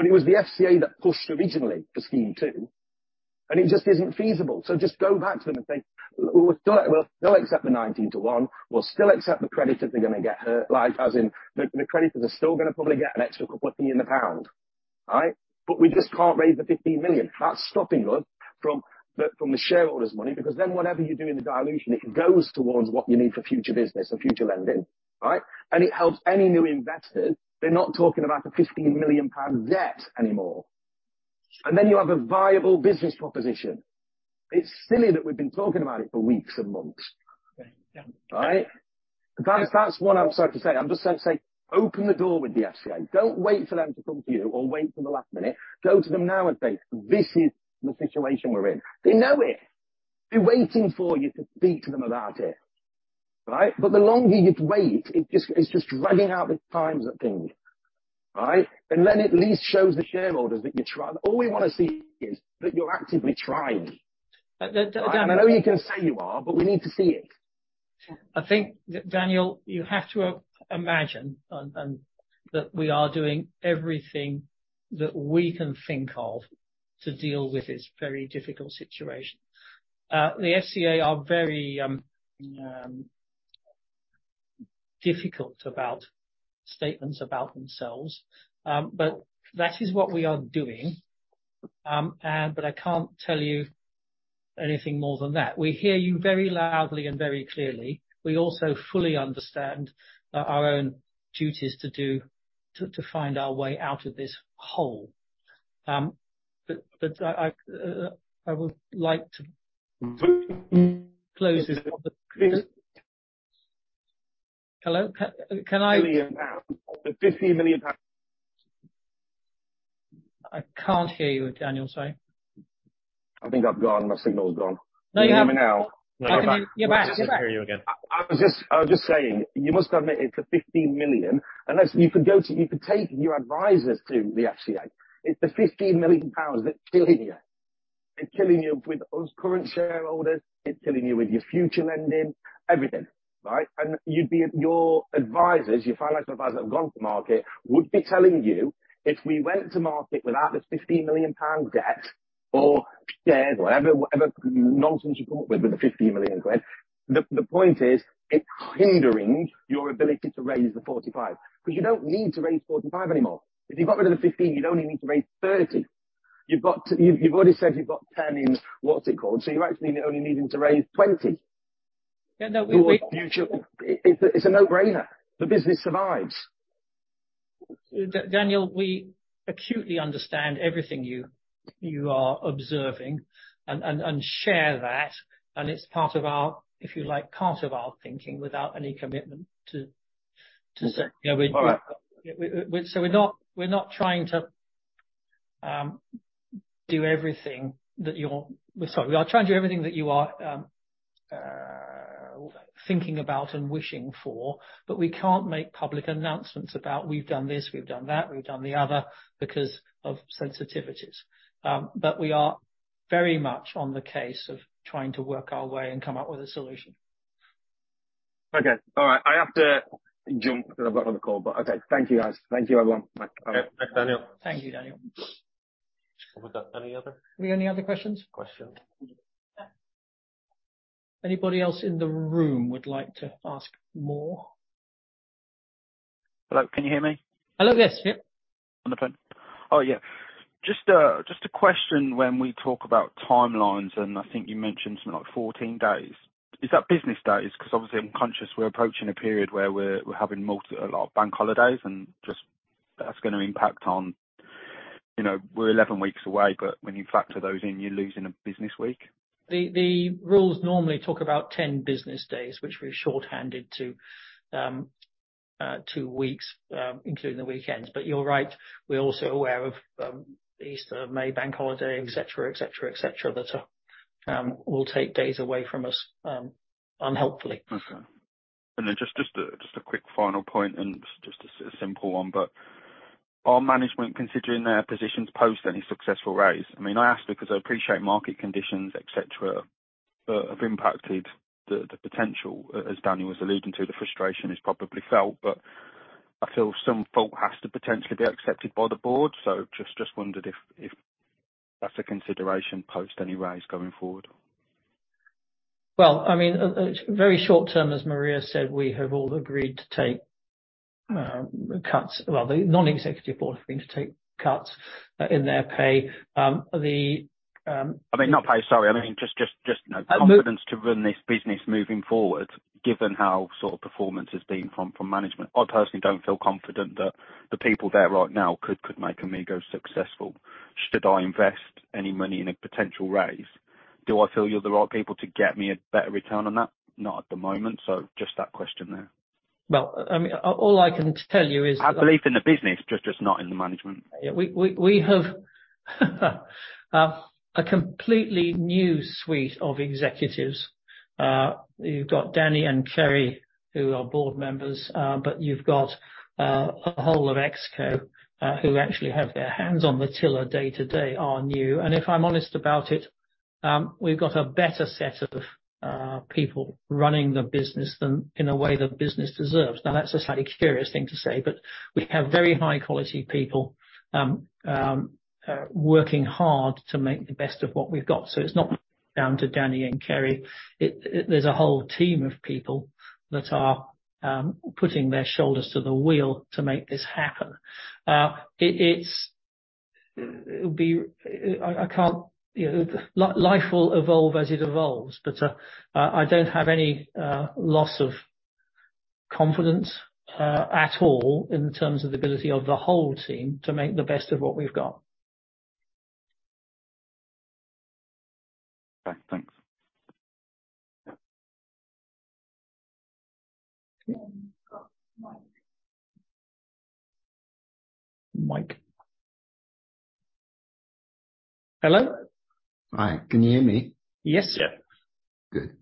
It was the FCA that pushed originally for scheme two, and it just isn't feasible. Just go back to them and say, "We'll still, we'll still accept the 19-to-1. We'll still accept the creditors are gonna get hurt," like as in the creditors are still gonna probably get an extra couple of penny in the pound. All right? We just can't raise the 15 million. That's stopping us from the shareholders' money, because then whatever you do in the dilution, it goes towards what you need for future business or future lending. Right? It helps any new investor. They're not talking about a 15 million pound debt anymore. Then you have a viable business proposition. It's silly that we've been talking about it for weeks and months. Yeah. All right? Guys, that's what I'm sorry to say. I'm just saying open the door with the FCA. Don't wait for them to come to you or wait till the last minute. Go to them now and say, "This is the situation we're in." They know it. They're waiting for you to speak to them about it. Right? The longer you wait, it's just dragging out the times of things. Right? It at least shows the shareholders that you're try--. All we wanna see is that you're actively trying. Dan-dan-daniel- I know you can say you are, but we need to see it. I think, Daniel, you have to imagine, and that we are doing everything that we can think of to deal with this very difficult situation. The FCA are very difficult about statements about themselves. That is what we are doing. I can't tell you anything more than that. We hear you very loudly and very clearly. We also fully understand our own duties to find our way out of this hole. I would like to close this call. Hello? Can I? 50 million pounds. The GBP 50 million. I can't hear you, Daniel. Sorry. I think I've gone. My signal's gone. No, you haven't. Can you hear me now? I think you're back. You're back. We can hear you again. I was just saying, you must admit it's a 15 million unless you could go to you could take your advisors to the FCA. It's the 15 million pounds that's killing you. It's killing you with current shareholders, it's killing you with your future lending, everything, right? Your advisors, your financial advisors that have gone to market, would be telling you, if we went to market without this 15 million pound debt or shares or whatever nonsense you come up with the 15 million quid, the point is, it's hindering your ability to raise the 45, you don't need to raise 45 anymore. If you got rid of the 15, you'd only need to raise 30. You've already said you've got 10 in what's it called? You're actually only needing to raise 20. Yeah. No, we- Your future. It's a no-brainer. The business survives. Daniel, we acutely understand everything you are observing and share that, and it's part of our, if you like, part of our thinking without any commitment to say. All right. We're not trying to do everything that. Sorry. We are trying to do everything that you are thinking about and wishing for, but we can't make public announcements about, we've done this, we've done that, we've done the other, because of sensitivities. We are very much on the case of trying to work our way and come up with a solution. Okay. All right. I have to jump because I've got another call, but okay. Thank you, guys. Thank you, everyone. Bye. Okay. Thanks, Daniel. Thank you, Daniel. Have we got any other- Any other questions? -questions? Anybody else in the room would like to ask more? Hello, can you hear me? Hello. Yes. Yep. On the phone. Oh, yeah. Just a question when we talk about timelines. I think you mentioned something like 14 days. Is that business days? Because obviously I'm conscious we're approaching a period where we're having a lot of bank holidays. Just that's going to impact on. You know, we're 11 weeks away. When you factor those in, you're losing a business week. The rules normally talk about 10 business days, which we shorthanded to two weeks, including the weekends. You're right. We're also aware of Easter, May bank holiday, et cetera, et cetera, et cetera, that will take days away from us unhelpfully. Okay. Just a quick final point and just a simple one, but are management considering their positions post any successful raise? I mean, I ask because I appreciate market conditions, et cetera, have impacted the potential, as Daniel was alluding to, the frustration is probably felt, but I feel some fault has to potentially be accepted by the board. Just wondered if that's a consideration post any raise going forward? Well, I mean, very short term, as Maria said, we have all agreed to take cuts. Well, the non-executive board have agreed to take cuts in their pay. I mean, not pay, sorry. I mean, just, you know. Uh, mo- -confidence to run this business moving forward, given how sort of performance has been from management. I personally don't feel confident that the people there right now could make Amigo successful. Should I invest any money in a potential raise? Do I feel you're the right people to get me a better return on that? Not at the moment. Just that question there. Well, I mean, all I can tell you is. I believe in the business, just not in the management. We have a completely new suite of executives. You've got Danny and Kerry who are board members, but you've got a whole of ExCo who actually have their hands on the tiller day to day are new. If I'm honest about it, we've got a better set of people running the business than in a way the business deserves. That's a slightly curious thing to say, but we have very high quality people working hard to make the best of what we've got. It's not down to Danny and Kerry. There's a whole team of people that are putting their shoulders to the wheel to make this happen. It would be I can't... You know, life will evolve as it evolves, but I don't have any loss of confidence at all in terms of the ability of the whole team to make the best of what we've got. Okay. Thanks. Mike. Hello? Hi. Can you hear me? Yes. Yeah. Good.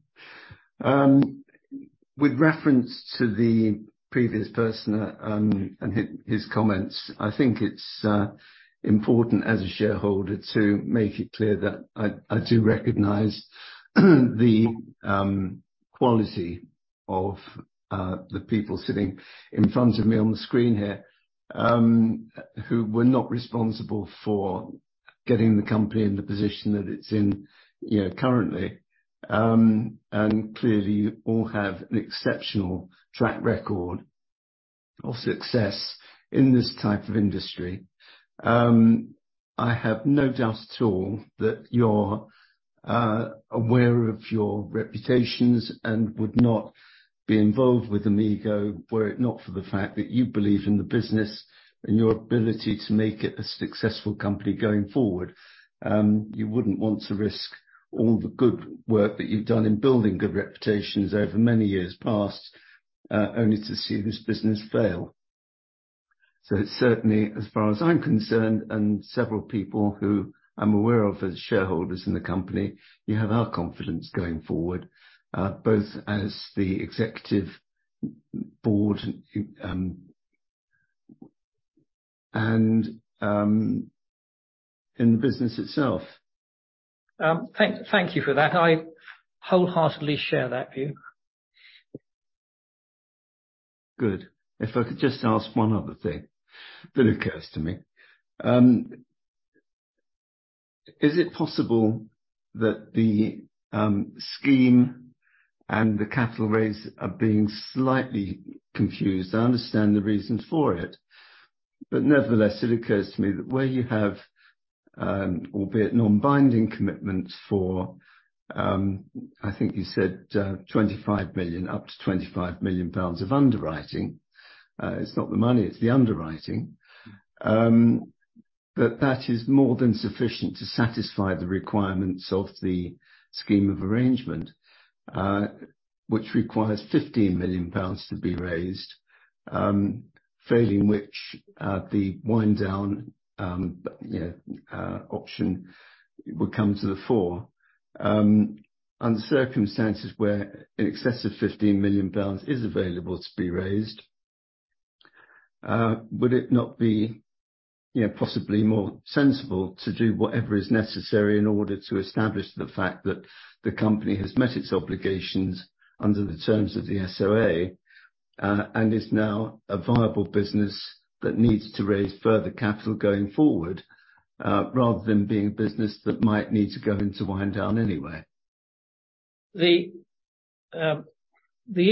With reference to the previous person, and his comments, I think it's important as a shareholder to make it clear that I do recognize the quality of the people sitting in front of me on the screen here, who were not responsible for getting the company in the position that it's in, you know, currently. Clearly all have an exceptional track record of success in this type of industry. I have no doubt at all that you're aware of your reputations and would not be involved with Amigo were it not for the fact that you believe in the business and your ability to make it a successful company going forward. You wouldn't want to risk all the good work that you've done in building good reputations over many years past. Only to see this business fail. Certainly, as far as I'm concerned, and several people who I'm aware of as shareholders in the company, you have our confidence going forward, both as the executive board, and in the business itself. Thank you for that. I wholeheartedly share that view. Good. If I could just ask one other thing that occurs to me. Is it possible that the scheme of arrangement and the capital raise are being slightly confused? I understand the reason for it, nevertheless, it occurs to me that where you have, albeit non-binding commitments for, I think you said, 25 million, up to 25 million pounds of underwriting. It's not the money, it's the underwriting. That is more than sufficient to satisfy the requirements of the scheme of arrangement, which requires 15 million pounds to be raised, failing which, the wind down, you know, option would come to the fore. Under circumstances where in excess of 15 million pounds is available to be raised, would it not be, you know, possibly more sensible to do whatever is necessary in order to establish the fact that the company has met its obligations under the terms of the SOA, and is now a viable business that needs to raise further capital going forward, rather than being a business that might need to go into wind down anyway. The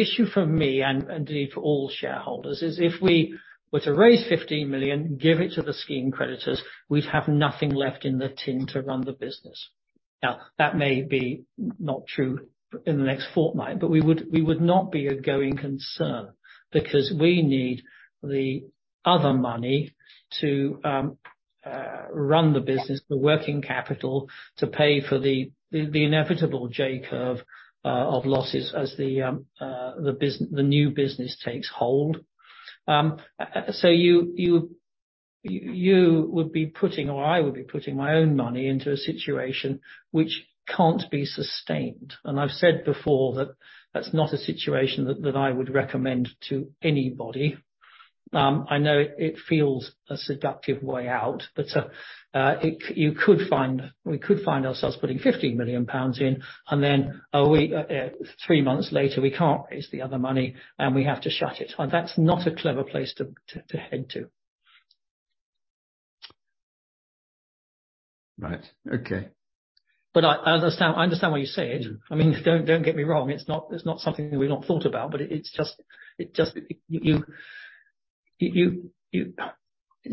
issue for me and indeed for all shareholders is if we were to raise 15 million, give it to the scheme creditors, we'd have nothing left in the tin to run the business. That may be not true in the next fortnight, but we would not be a going concern because we need the other money to run the business, the working capital to pay for the inevitable J-curve of losses as the new business takes hold. You would be putting or I would be putting my own money into a situation which can't be sustained, and I've said before that's not a situation that I would recommend to anybody. I know it feels a seductive way out, but you could find... We could find ourselves putting 15 million pounds in, and then, a week, 3 months later, we can't raise the other money, and we have to shut it. That's not a clever place to head to. Right. Okay. I understand why you say it. I mean, don't get me wrong. It's not something we've not thought about, but it's just... You... It's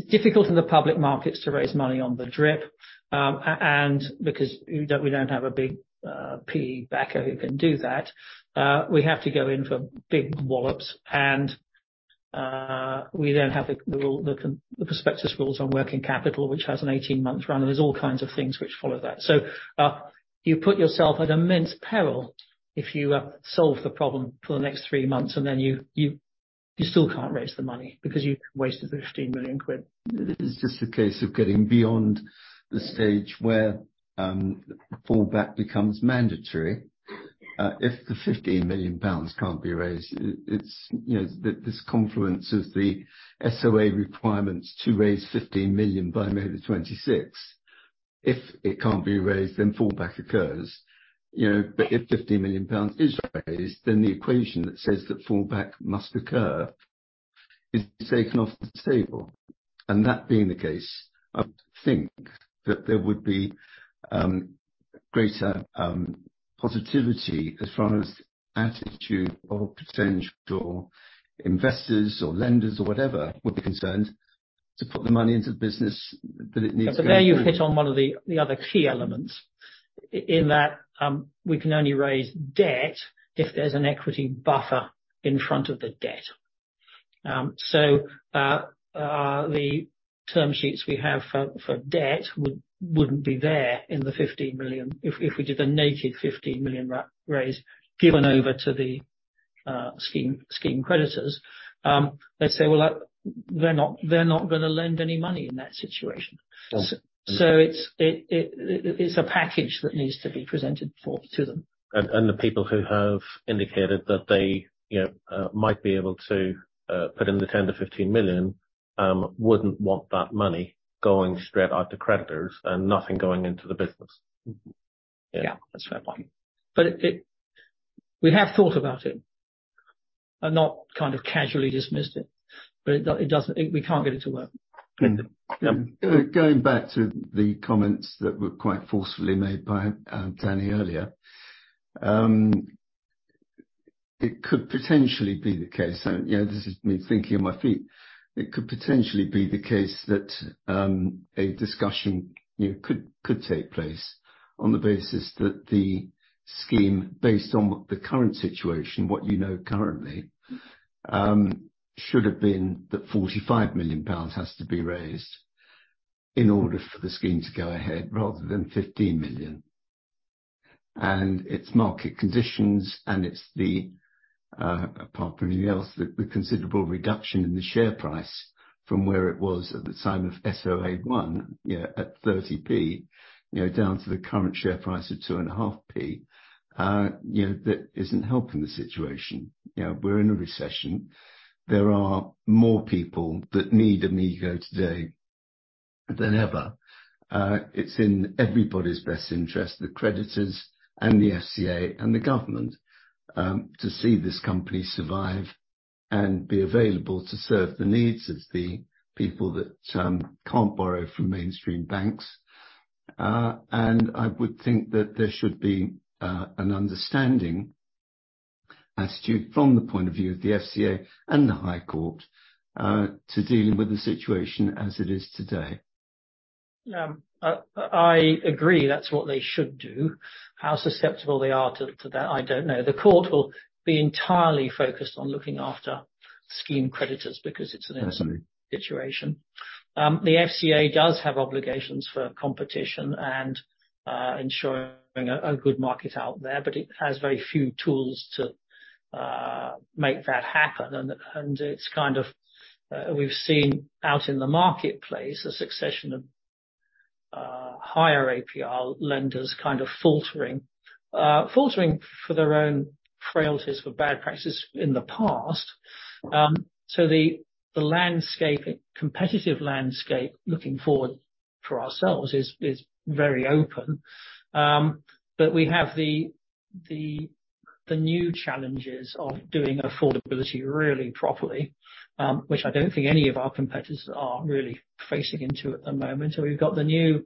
difficult in the public markets to raise money on the drip, and because we don't, we don't have a big PE backer who can do that, we have to go in for big wallops, and we then have the rule, the prospectus rules on working capital, which has an 18-month run, and there's all kinds of things which follow that. You put yourself at immense peril if you solve the problem for the next 3 months and then you still can't raise the money because you've wasted 15 million quid. It's just a case of getting beyond the stage where fallback becomes mandatory. If the 15 million pounds can't be raised, it's, you know, this confluence is the SOA requirements to raise 15 million by May the 26th. If it can't be raised, then fallback occurs. You know, but if 15 million pounds is raised, then the equation that says that fallback must occur is taken off the table. That being the case, I would think that there would be greater positivity as far as attitude or potential investors or lenders or whatever we're concerned to put the money into the business that it needs. There you hit on one of the other key elements in that, we can only raise debt if there's an equity buffer in front of the debt. The term sheets we have for debt wouldn't be there in the 15 million. If we did a naked 15 million raise given over to the scheme creditors, they'd say, "Well, we're not gonna lend any money in that situation. Oh. It's a package that needs to be presented for to them. The people who have indicated that they, you know, might be able to put in the 10 million-15 million, wouldn't want that money going straight out to creditors and nothing going into the business. Yeah, that's fair point. It. We have thought about it and not kind of casually dismissed it. It doesn't. We can't get it to work. Mm-hmm. Yeah. Going back to the comments that were quite forcefully made by Danny earlier, it could potentially be the case, and you know, this is me thinking on my feet. It could potentially be the case that a discussion, you know, could take place on the basis that the scheme, based on the current situation, what you know currently, should have been that GBP 45 million has to be raised in order for the scheme to go ahead rather than GBP 15 million. It's market conditions, and it's the apart from anything else, the considerable reduction in the share price from where it was at the time of SOA one, you know, at 30P, you know, down to the current share price of 2.5P. You know, that isn't helping the situation. You know, we're in a recession. There are more people that need Amigo today than ever. it's in everybody's best interest, the creditors and the FCA and the government, to see this company survive and be available to serve the needs of the people that, can't borrow from mainstream banks. I would think that there should be an understanding attitude from the point of view of the FCA and the High Court, to dealing with the situation as it is today. I agree that's what they should do. How susceptible they are to that, I don't know. The court will be entirely focused on looking after scheme creditors because it's an insane situation. The FCA does have obligations for competition and ensuring a good market out there, but it has very few tools to make that happen. It's kind of, we've seen out in the marketplace a succession of higher APR lenders kind of faltering. Faltering for their own frailties for bad practices in the past. The landscape, competitive landscape looking forward for ourselves is very open. We have the new challenges of doing affordability really properly, which I don't think any of our competitors are really facing into at the moment. We've got the new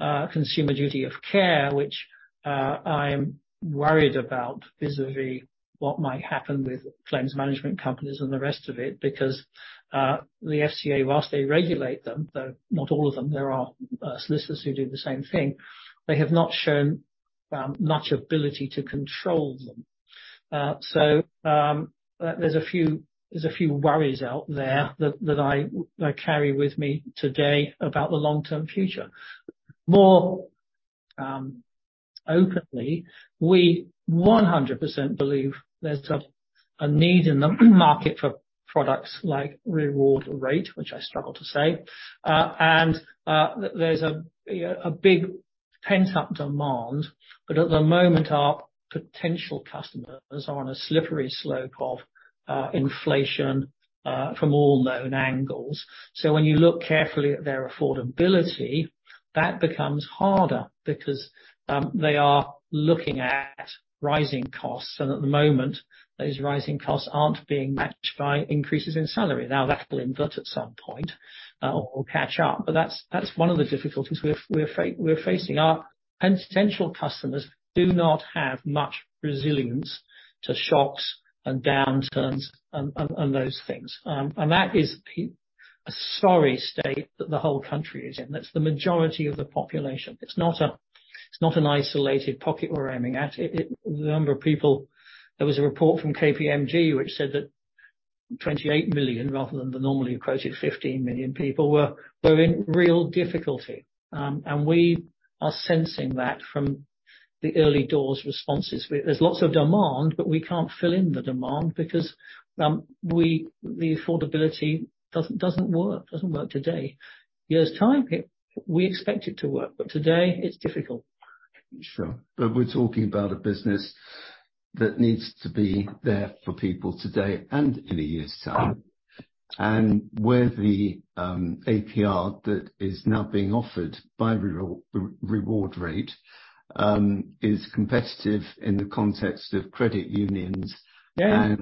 Consumer Duty, which I'm worried about vis-a-vis what might happen with claims management companies and the rest of it because the FCA, whilst they regulate them, though not all of them, there are solicitors who do the same thing. They have not shown much ability to control them. There's a few worries out there that I carry with me today about the long-term future. More openly, we 100% believe there's a need in the market for products like RewardRate, which I struggle to say. There's a big pent-up demand, but at the moment our potential customers are on a slippery slope of inflation from all known angles. When you look carefully at their affordability, that becomes harder because they are looking at rising costs, and at the moment, those rising costs aren't being matched by increases in salary. Now, that will invert at some point or catch up, but that's one of the difficulties we're facing. Our potential customers do not have much resilience to shocks and downturns and, and those things. That is a sorry state that the whole country is in. That's the majority of the population. It's not a, it's not an isolated pocket we're aiming at. The number of people, there was a report from KPMG which said that 28 million, rather than the normally quoted 15 million people, were in real difficulty. We are sensing that from the early doors responses. There's lots of demand, but we can't fill in the demand because the affordability doesn't work today. Years' time, we expect it to work, but today it's difficult. Sure. We're talking about a business that needs to be there for people today and in a year's time. Where the APR that is now being offered by RewardRate is competitive in the context of credit unions. Yeah.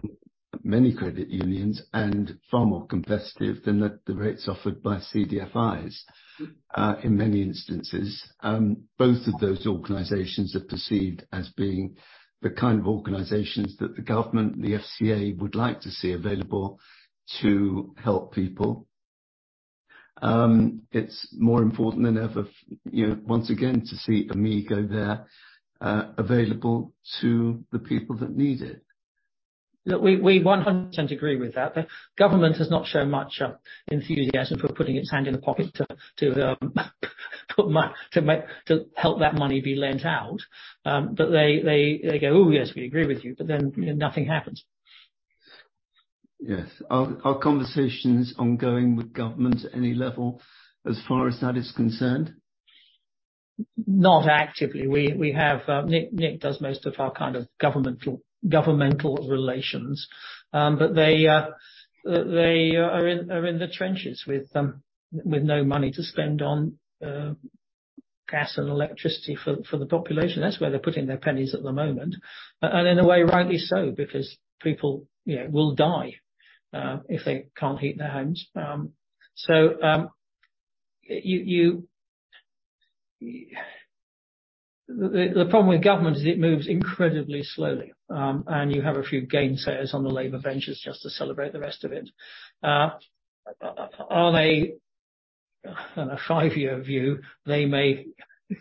Many credit unions, and far more competitive than the rates offered by CDFIs. In many instances, both of those organizations are perceived as being the kind of organizations that the government, the FCA would like to see available to help people. It's more important than ever, you know, once again to see Amigo there, available to the people that need it. Look, we 100% agree with that. The government has not shown much enthusiasm for putting its hand in the pocket to help that money be lent out. They go, "Oh, yes, we agree with you," but then, you know, nothing happens. Yes. Are conversations ongoing with government at any level as far as that is concerned? Not actively. We have Nick does most of our kind of governmental relations. They are in the trenches with no money to spend on gas and electricity for the population. That's where they're putting their pennies at the moment. In a way rightly so, because people, you know, will die if they can't heat their homes. The problem with government is it moves incredibly slowly, and you have a few gainsayers on the Labour benches just to celebrate the rest of it. Are they, on a 5-year view, they may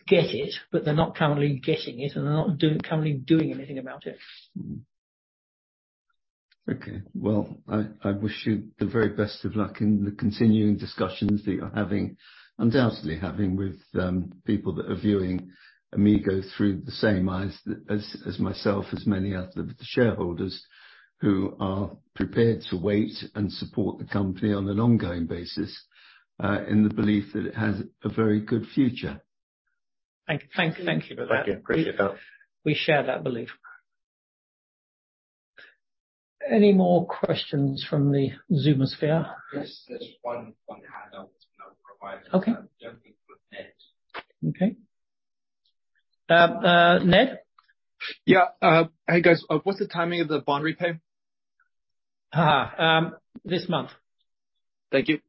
get it, but they're not currently getting it, and they're not currently doing anything about it. Okay. Well, I wish you the very best of luck in the continuing discussions that you're having, undoubtedly having with people that are viewing Amigo through the same eyes as myself, as many other shareholders who are prepared to wait and support the company on an ongoing basis in the belief that it has a very good future. Thank you for that. Thank you. Appreciate that. We share that belief. Any more questions from the Zoom sphere? Yes, there's one hand that was not provided. Okay. Don't think we've met. Okay. Ned? Yeah. hey, guys. what's the timing of the bond repay? This month. Thank you.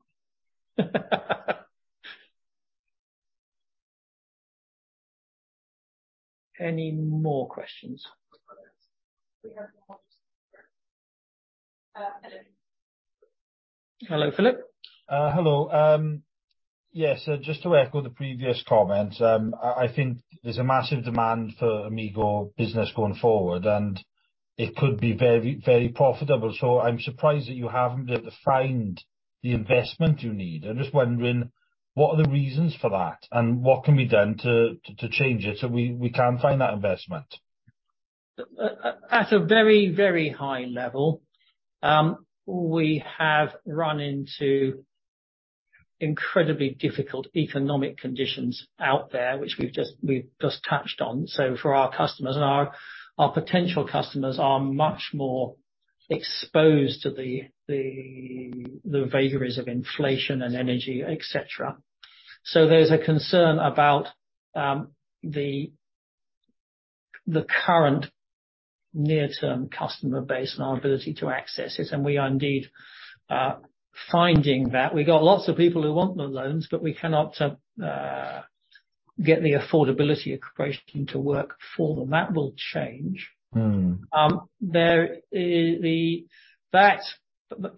Any more questions? We have one. Philip. Hello, Philip. Hello. Yes, just to echo the previous comment, I think there's a massive demand for Amigo business going forward, and it could be very, very profitable. I'm surprised that you haven't been able to find the investment you need. I'm just wondering, what are the reasons for that and what can be done to change it so we can find that investment? At a very, very high level, we have run into incredibly difficult economic conditions out there, which we've just touched on. For our customers and our potential customers are much more exposed to the vagaries of inflation and energy, et cetera. There's a concern about the current near-term customer base and our ability to access it, and we are indeed finding that. We've got lots of people who want the loans, but we cannot get the affordability equation to work for them. That will change. Mm. There is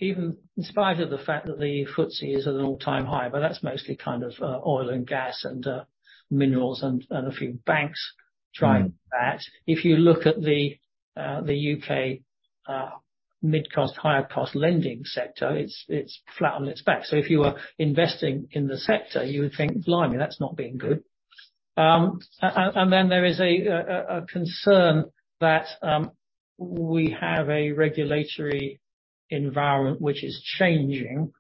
even in spite of the fact that the FTSE is at an all-time high. That's mostly kind of, oil and gas and minerals and a few banks driving that. Mm. If you look at the UK mid-cost, higher cost lending sector, it's flat on its back. If you are investing in the sector, you would think, blimey, that's not been good. Then there is a concern that we have a regulatory environment which is changing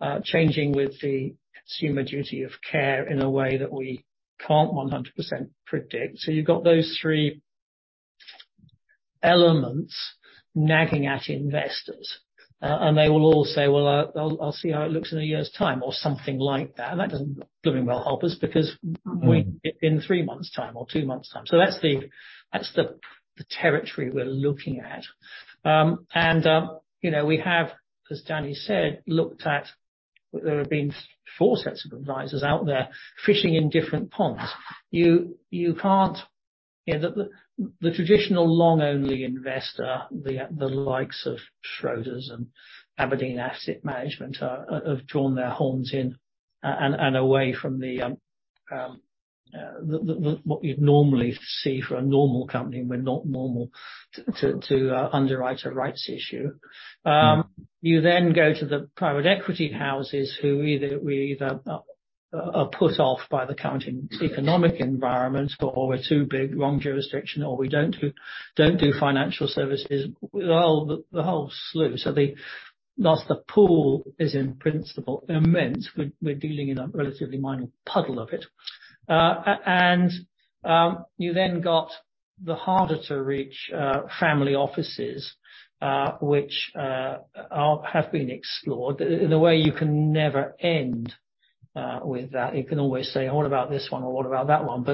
with the Consumer Duty of care in a way that we can't 100% predict. You've got those three elements nagging at investors. They will all say, "Well, I'll see how it looks in a year's time," or something like that. That doesn't blooming well help us because- Mm... in 3 months time or 2 months time. That's the territory we're looking at. You know, we have, as Danny said, looked at. There have been 4 sets of advisors out there fishing in different ponds. You can't. You know, the traditional long only investor, the likes of Schroders and Aberdeen Asset Management have drawn their horns in and away from the what you'd normally see for a normal company, we're not normal to underwrite a rights issue. You then go to the private equity houses who we either are put off by the current economic environment or we're too big, wrong jurisdiction, or we don't do financial services. The whole slew. Whilst the pool is in principle immense, we're dealing in a relatively minor puddle of it. You then got the harder to reach family offices which have been explored. In a way, you can never end with that. You can always say, "What about this one or what about that one?"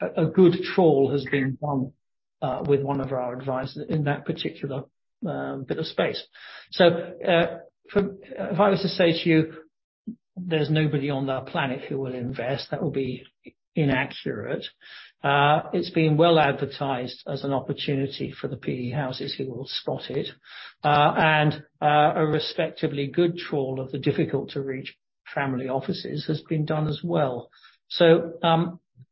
A good trawl has been done with one of our advisors in that particular bit of space. If I was to say to you, "There's nobody on the planet who will invest," that will be inaccurate. It's been well advertised as an opportunity for the PE houses who will spot it. A respectively good trawl of the difficult to reach family offices has been done as well.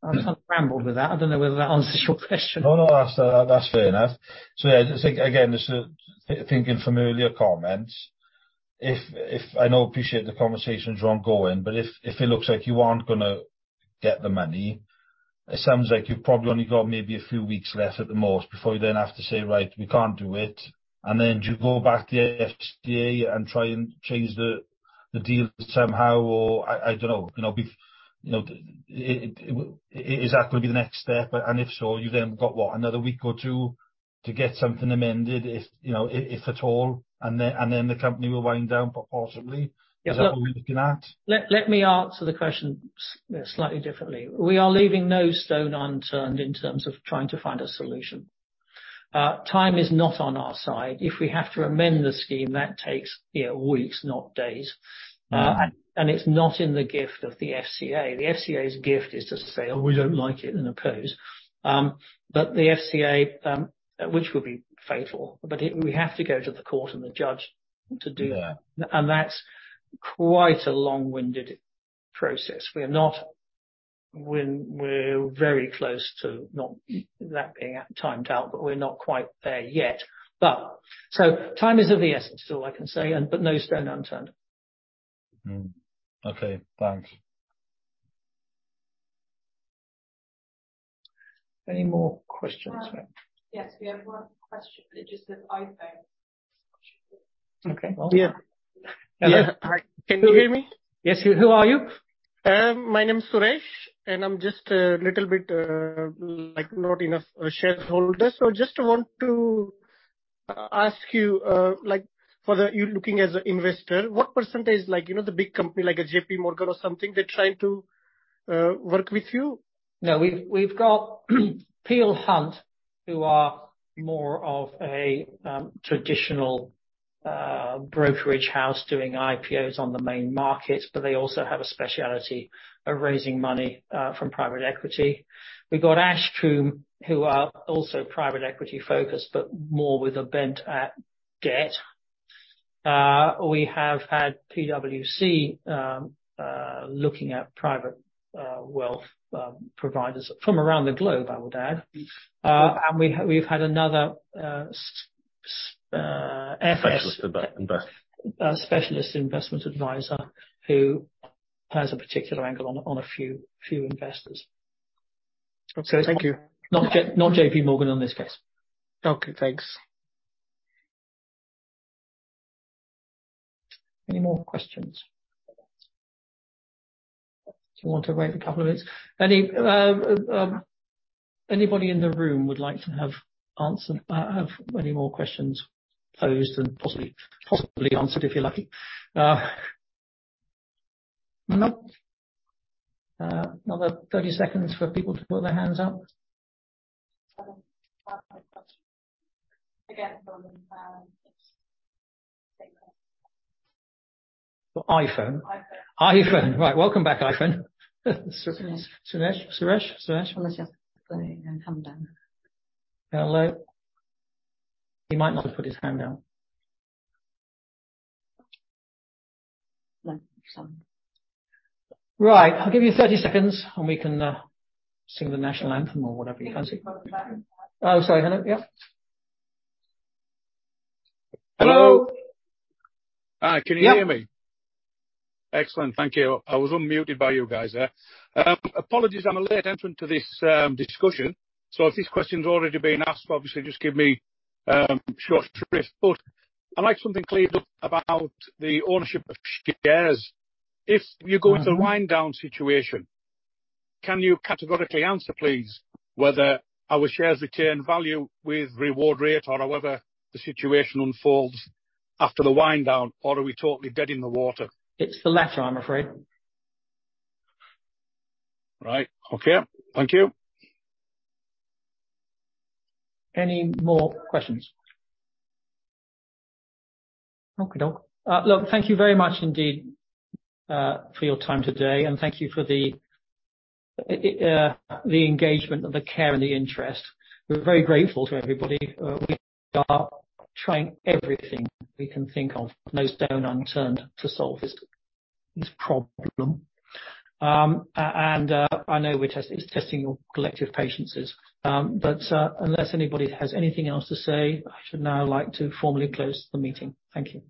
I've rambled with that. I don't know whether that answers your question. No, no, that's fair enough. Yeah, just think, again, just thinking from earlier comments. If, if I know appreciate the conversations are ongoing, but if it looks like you aren't gonna get the money, it sounds like you've probably only got maybe a few weeks left at the most before you then have to say, "Right, we can't do it." Then do you go back to the FCA and try and change the deal somehow, or I don't know. You know, You know, is that gonna be the next step? If so, you've then got what? Another week or two to get something amended if, you know, if at all, and then, and then the company will wind down proportionally. Yeah. Is that what we're looking at? Let me answer the question slightly differently. We are leaving no stone unturned in terms of trying to find a solution. Time is not on our side. If we have to amend the scheme, that takes, you know, weeks, not days. Mm. It's not in the gift of the FCA. The FCA's gift is to say, "Oh, we don't like it," and oppose. The FCA, which will be fatal. We have to go to the court and the judge to do that. Yeah. That's quite a long-winded process. When we're very close to not that being at timed out, but we're not quite there yet. Time is of the essence, all I can say and, but no stone unturned. Okay. Thanks. Any more questions? Yes, we have 1 question. It just says iPhone. Okay. Yeah. Hello? Hi. Can you hear me? Yes. Who are you? My name is Suresh. I'm just a little bit, like, not enough a shareholder. Just want to ask you, like, for the you're looking as an investor, what %, like, you know, the big company like a J.P. Morgan or something, they're trying to work with you? No. We've got Peel Hunt, who are more of a traditional brokerage house doing IPOs on the main markets, but they also have a specialty of raising money from private equity. We got Ashcombe, who are also private equity-focused, but more with a bent at debt. We have had PwC looking at private wealth providers from around the globe, I would add. We've had another FS- Specialist investor.... specialist investment advisor who has a particular angle on a few investors. Okay. Thank you. Not J.P. Morgan on this case. Okay. Thanks. Any more questions? Do you want to wait a couple of minutes? Any anybody in the room would like to have any more questions posed and possibly answered if you're lucky? Nope. Another 30 seconds for people to put their hands up. Again from, it's iPhone. iPhone. iPhone. iPhone. Right. Welcome back, iPhone. Suresh. Suresh. Well, let's just put his hand down. Hello. He might not have put his hand down. No, sir. Right. I'll give you 30 seconds, and we can sing the national anthem or whatever you fancy. He can. Oh, sorry. Hello. Yeah. Hello. Hi, can you hear me? Yeah. Excellent. Thank you. I was unmuted by you guys there. Apologies, I'm a late entrant to this discussion. If this question's already been asked, obviously, just give me short shrift. I'd like something clear about the ownership of shares. If you go into- Mm-hmm ...a wind down situation, can you categorically answer, please, whether our shares retain value with RewardRate or however the situation unfolds after the wind down or are we totally dead in the water? It's the latter, I'm afraid. Right. Okay. Thank you. Any more questions? Okey doke. Look, thank you very much indeed, for your time today, and thank you for the engagement, the care and the interest. We're very grateful to everybody. We are trying everything we can think of, no stone unturned to solve this problem. I know it's testing your collective patiences. Unless anybody has anything else to say, I should now like to formally close the meeting. Thank you.